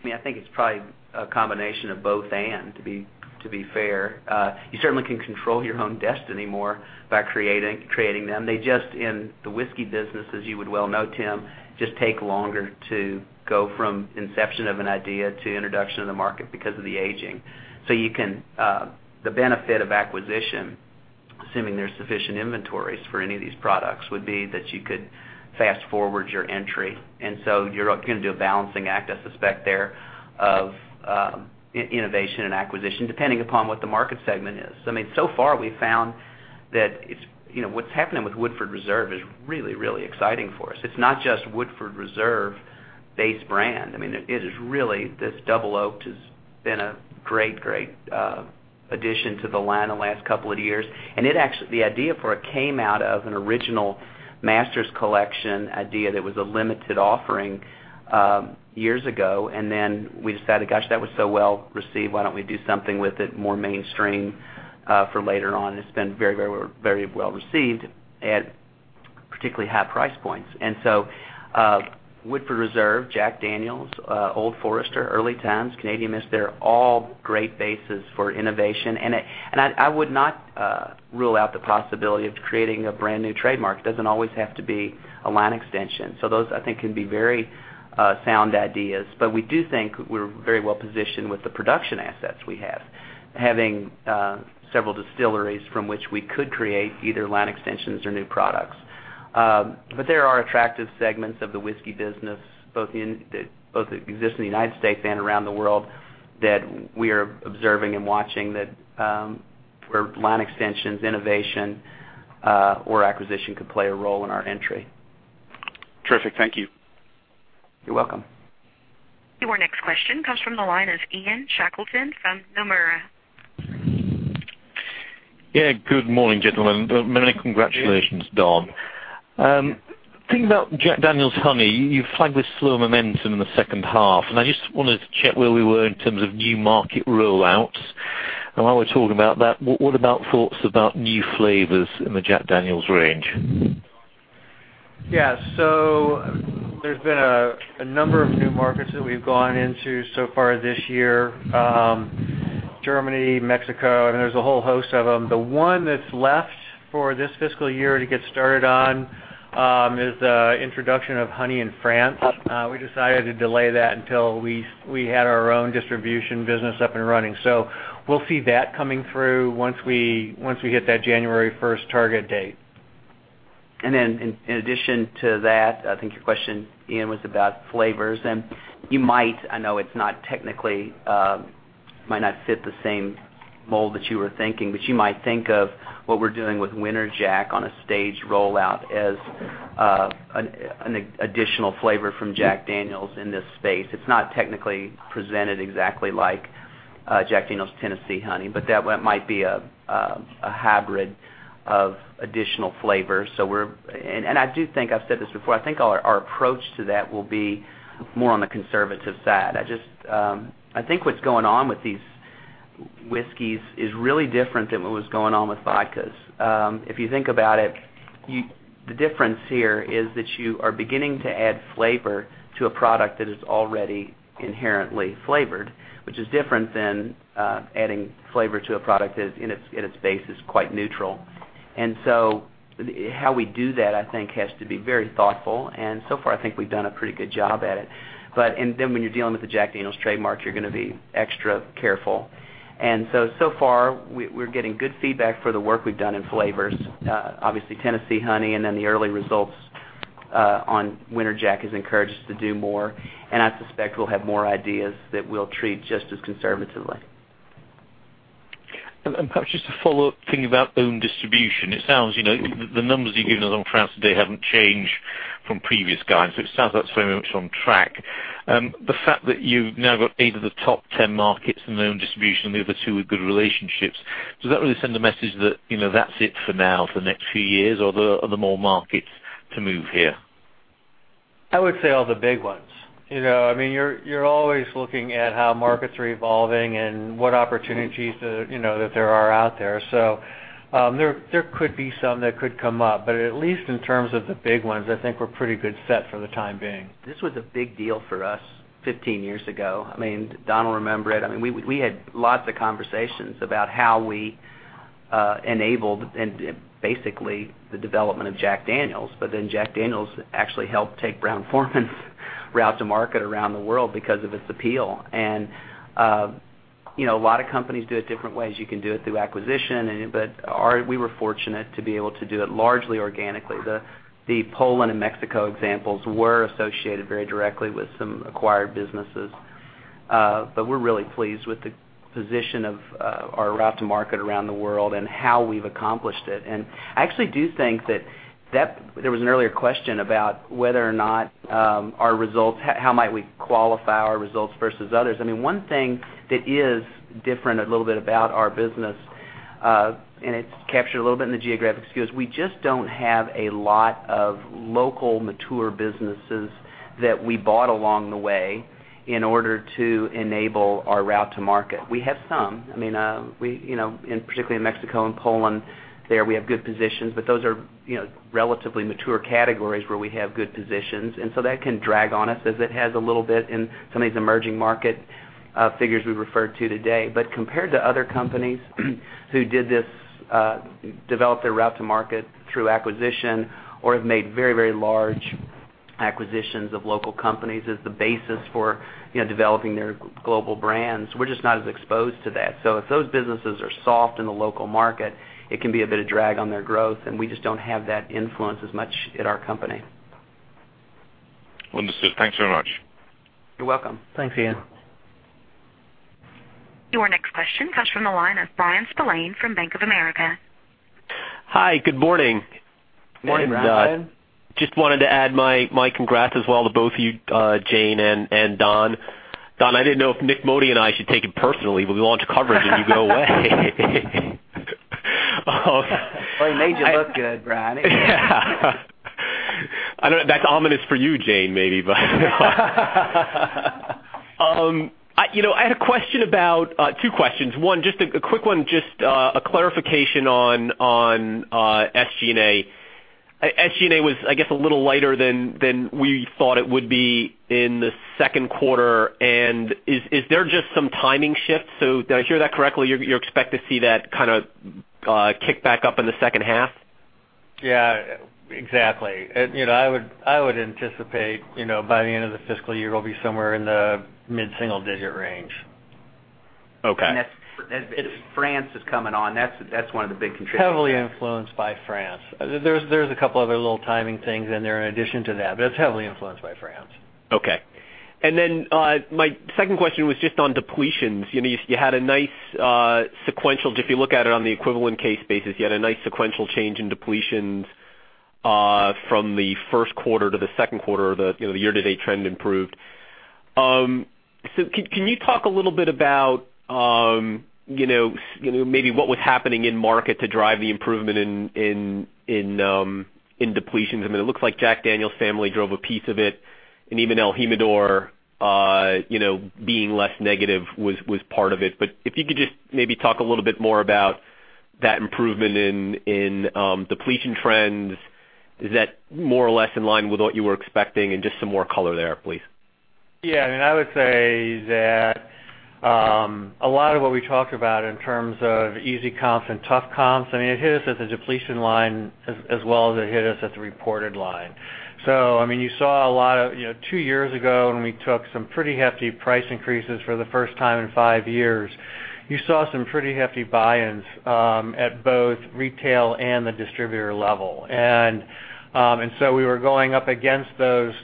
I think it's probably a combination of both. To be fair, you certainly can control your own destiny more by creating them. They just, in the whiskey business, as you would well know, Tim, just take longer to go from inception of an idea to introduction in the market because of the aging. The benefit of acquisition, assuming there's sufficient inventories for any of these products, would be that you could fast forward your entry. You're going to do a balancing act, I suspect there, of innovation and acquisition, depending upon what the market segment is. So far we've found that what's happening with Woodford Reserve is really exciting for us. It's not just Woodford Reserve base brand. It is really, this Double Oaked has been a great addition to the line in the last couple of years. The idea for it came out of an original Master's Collection idea that was a limited offering years ago. We decided, gosh, that was so well received, why don't we do something with it more mainstream for later on? It's been very well received at particularly high price points. Woodford Reserve, Jack Daniel's, Old Forester, Early Times, Canadian Mist, they're all great bases for innovation. I would not rule out the possibility of creating a brand new trademark. It doesn't always have to be a line extension. Those, I think, can be very sound ideas. We do think we're very well positioned with the production assets we have, having several distilleries from which we could create either line extensions or new products. There are attractive segments of the whiskey business, both that exist in the U.S. and around the world, that we are observing and watching where line extensions, innovation, or acquisition could play a role in our entry. Terrific. Thank you. You're welcome. Your next question comes from the line of Ian Shackleton from Nomura. Good morning, gentlemen. Many congratulations, Don. Thinking about Jack Daniel's Honey, you flagged this slow momentum in the second half, I just wanted to check where we were in terms of new market roll-outs. While we're talking about that, what about thoughts about new flavors in the Jack Daniel's range? There's been a number of new markets that we've gone into so far this year. Germany, Mexico, and there's a whole host of them. The one that's left for this fiscal year to get started on is the introduction of Honey in France. We decided to delay that until we had our own distribution business up and running. We'll see that coming through once we hit that January 1st target date. In addition to that, I think your question, Ian, was about flavors. You might, I know it's not technically, might not fit the same mold that you were thinking, but you might think of what we're doing with Winter Jack on a staged roll-out as an additional flavor from Jack Daniel's in this space. It's not technically presented exactly like Jack Daniel's Tennessee Honey, but that might be a hybrid of additional flavors. I do think, I've said this before, I think our approach to that will be more on the conservative side. I think what's going on with these whiskeys is really different than what was going on with vodkas. If you think about it, the difference here is that you are beginning to add flavor to a product that is already inherently flavored, which is different than adding flavor to a product that in its base is quite neutral. How we do that, I think, has to be very thoughtful, and so far, I think we've done a pretty good job at it. When you're dealing with the Jack Daniel's trademark, you're going to be extra careful. So far, we're getting good feedback for the work we've done in flavors. Obviously, Tennessee Honey and the early results on Winter Jack has encouraged us to do more, and I suspect we'll have more ideas that we'll treat just as conservatively. Perhaps just a follow-up thing about own distribution. It sounds, the numbers that you've given us on France today haven't changed from previous guides. It sounds like it's very much on track. The fact that you've now got eight of the top 10 markets in their own distribution and the other two are good relationships, does that really send the message that's it for now for the next few years? Are there more markets to move here? I would say all the big ones. You're always looking at how markets are evolving and what opportunities that there are out there. There could be some that could come up, but at least in terms of the big ones, I think we're pretty good set for the time being. This was a big deal for us 15 years ago. Don will remember it. We had lots of conversations about how we enabled, and basically, the development of Jack Daniel's. Jack Daniel's actually helped take Brown-Forman route to market around the world because of its appeal. A lot of companies do it different ways. You can do it through acquisition, but we were fortunate to be able to do it largely organically. The Poland and Mexico examples were associated very directly with some acquired businesses. We are really pleased with the position of our route to market around the world, and how we have accomplished it. I actually do think that there was an earlier question about whether or not our results. How might we qualify our results versus others. One thing that is different a little bit about our business, and it is captured a little bit in the geographic skew we just do not have a lot of local mature businesses that we bought along the way in order to enable our route to market. We have some. In particular, Mexico and Poland, there we have good positions, but those are relatively mature categories where we have good positions. That can drag on us as it has a little bit in some of these emerging market figures we referred to today. Compared to other companies who did this, developed their route to market through acquisition or have made very large acquisitions of local companies as the basis for developing their global brands, we are just not as exposed to that. If those businesses are soft in the local market, it can be a bit of drag on their growth, and we just do not have that influence as much at our company. Understood. Thanks very much. You're welcome. Thanks, Ian. Your next question comes from the line of Bryan Spillane from Bank of America. Hi, good morning. Morning, Bryan. Just wanted to add my congrats as well to both of you, Jane and Don. Don, I didn't know if Nik Modi and I should take it personally. We launch coverage, you go away. Well, he made you look good, Bryan. Yeah. I know that's ominous for you, Jane, maybe, but I had about two questions. One, just a quick one, just a clarification on SG&A. SG&A was, I guess, a little lighter than we thought it would be in the second quarter. Is there just some timing shift? Did I hear that correctly, you expect to see that kind of kick back up in the second half? Yeah, exactly. I would anticipate, by the end of the fiscal year, we'll be somewhere in the mid-single-digit range. Okay. France is coming on. That's one of the big contributors. Heavily influenced by France. There's a couple other little timing things in there in addition to that, but it's heavily influenced by France. Okay. My second question was just on depletions. If you look at it on the equivalent case basis, you had a nice sequential change in depletions from the first quarter to the second quarter. The year-to-date trend improved. Can you talk a little bit about maybe what was happening in market to drive the improvement in depletions? It looks like Jack Daniel's family drove a piece of it, and even el Jimador, being less negative was part of it. If you could just maybe talk a little bit more about that improvement in depletion trends. Is that more or less in line with what you were expecting? Just some more color there, please. I would say that, a lot of what we talked about in terms of easy comps and tough comps, it hit us at the depletion line as well as it hit us at the reported line. You saw a lot of two years ago, when we took some pretty hefty price increases for the first time in five years. You saw some pretty hefty buy-ins, at both retail and the distributor level. We were going up against those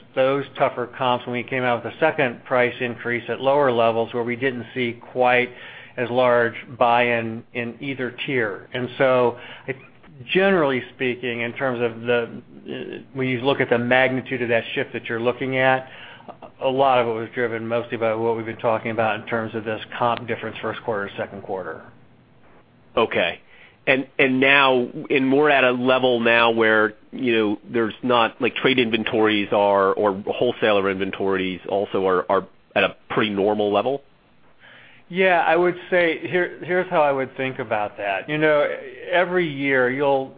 tougher comps when we came out with the second price increase at lower levels, where we didn't see quite as large buy-in in either tier. Generally speaking, when you look at the magnitude of that shift that you're looking at, a lot of it was driven mostly by what we've been talking about in terms of this comp difference first quarter, second quarter. More at a level now where there's not trade inventories or wholesaler inventories also are at a pretty normal level? I would say, here's how I would think about that. Every year, you'll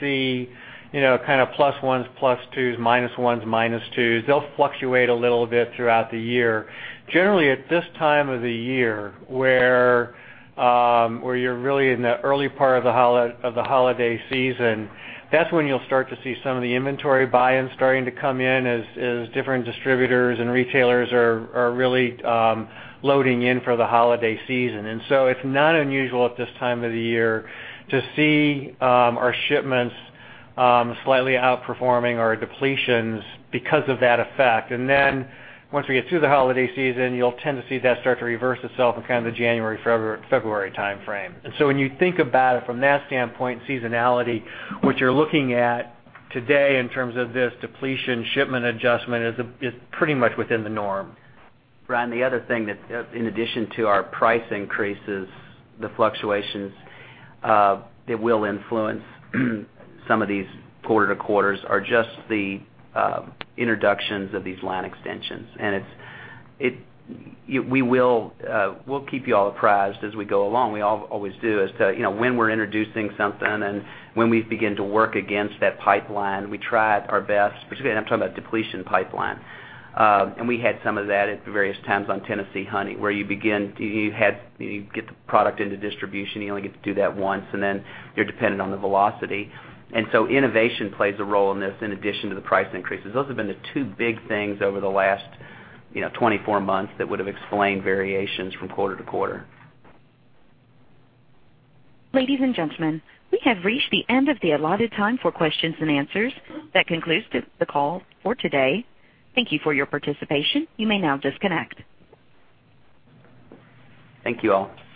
see plus ones, plus twos, minus ones, minus twos. They'll fluctuate a little bit throughout the year. Generally, at this time of the year, where you're really in the early part of the holiday season, that's when you'll start to see some of the inventory buy-ins starting to come in as different distributors and retailers are really loading in for the holiday season. It's not unusual at this time of the year to see our shipments slightly outperforming our depletions because of that effect. Once we get through the holiday season, you'll tend to see that start to reverse itself in kind of the January, February timeframe. When you think about it from that standpoint, seasonality, what you're looking at today in terms of this depletion shipment adjustment is pretty much within the norm. Bryan, the other thing that in addition to our price increases, the fluctuations that will influence some of these quarter-to-quarters are just the introductions of these line extensions. We'll keep you all apprised as we go along. We always do as to when we're introducing something and when we begin to work against that pipeline. We tried our best, particularly I'm talking about depletion pipeline. We had some of that at various times on Tennessee Honey, where you get the product into distribution, you only get to do that once, and then you're dependent on the velocity. Innovation plays a role in this in addition to the price increases. Those have been the two big things over the last 24 months that would've explained variations from quarter-to-quarter. Ladies and gentlemen, we have reached the end of the allotted time for questions and answers. That concludes the call for today. Thank you for your participation. You may now disconnect. Thank you all. Thanks. Bye.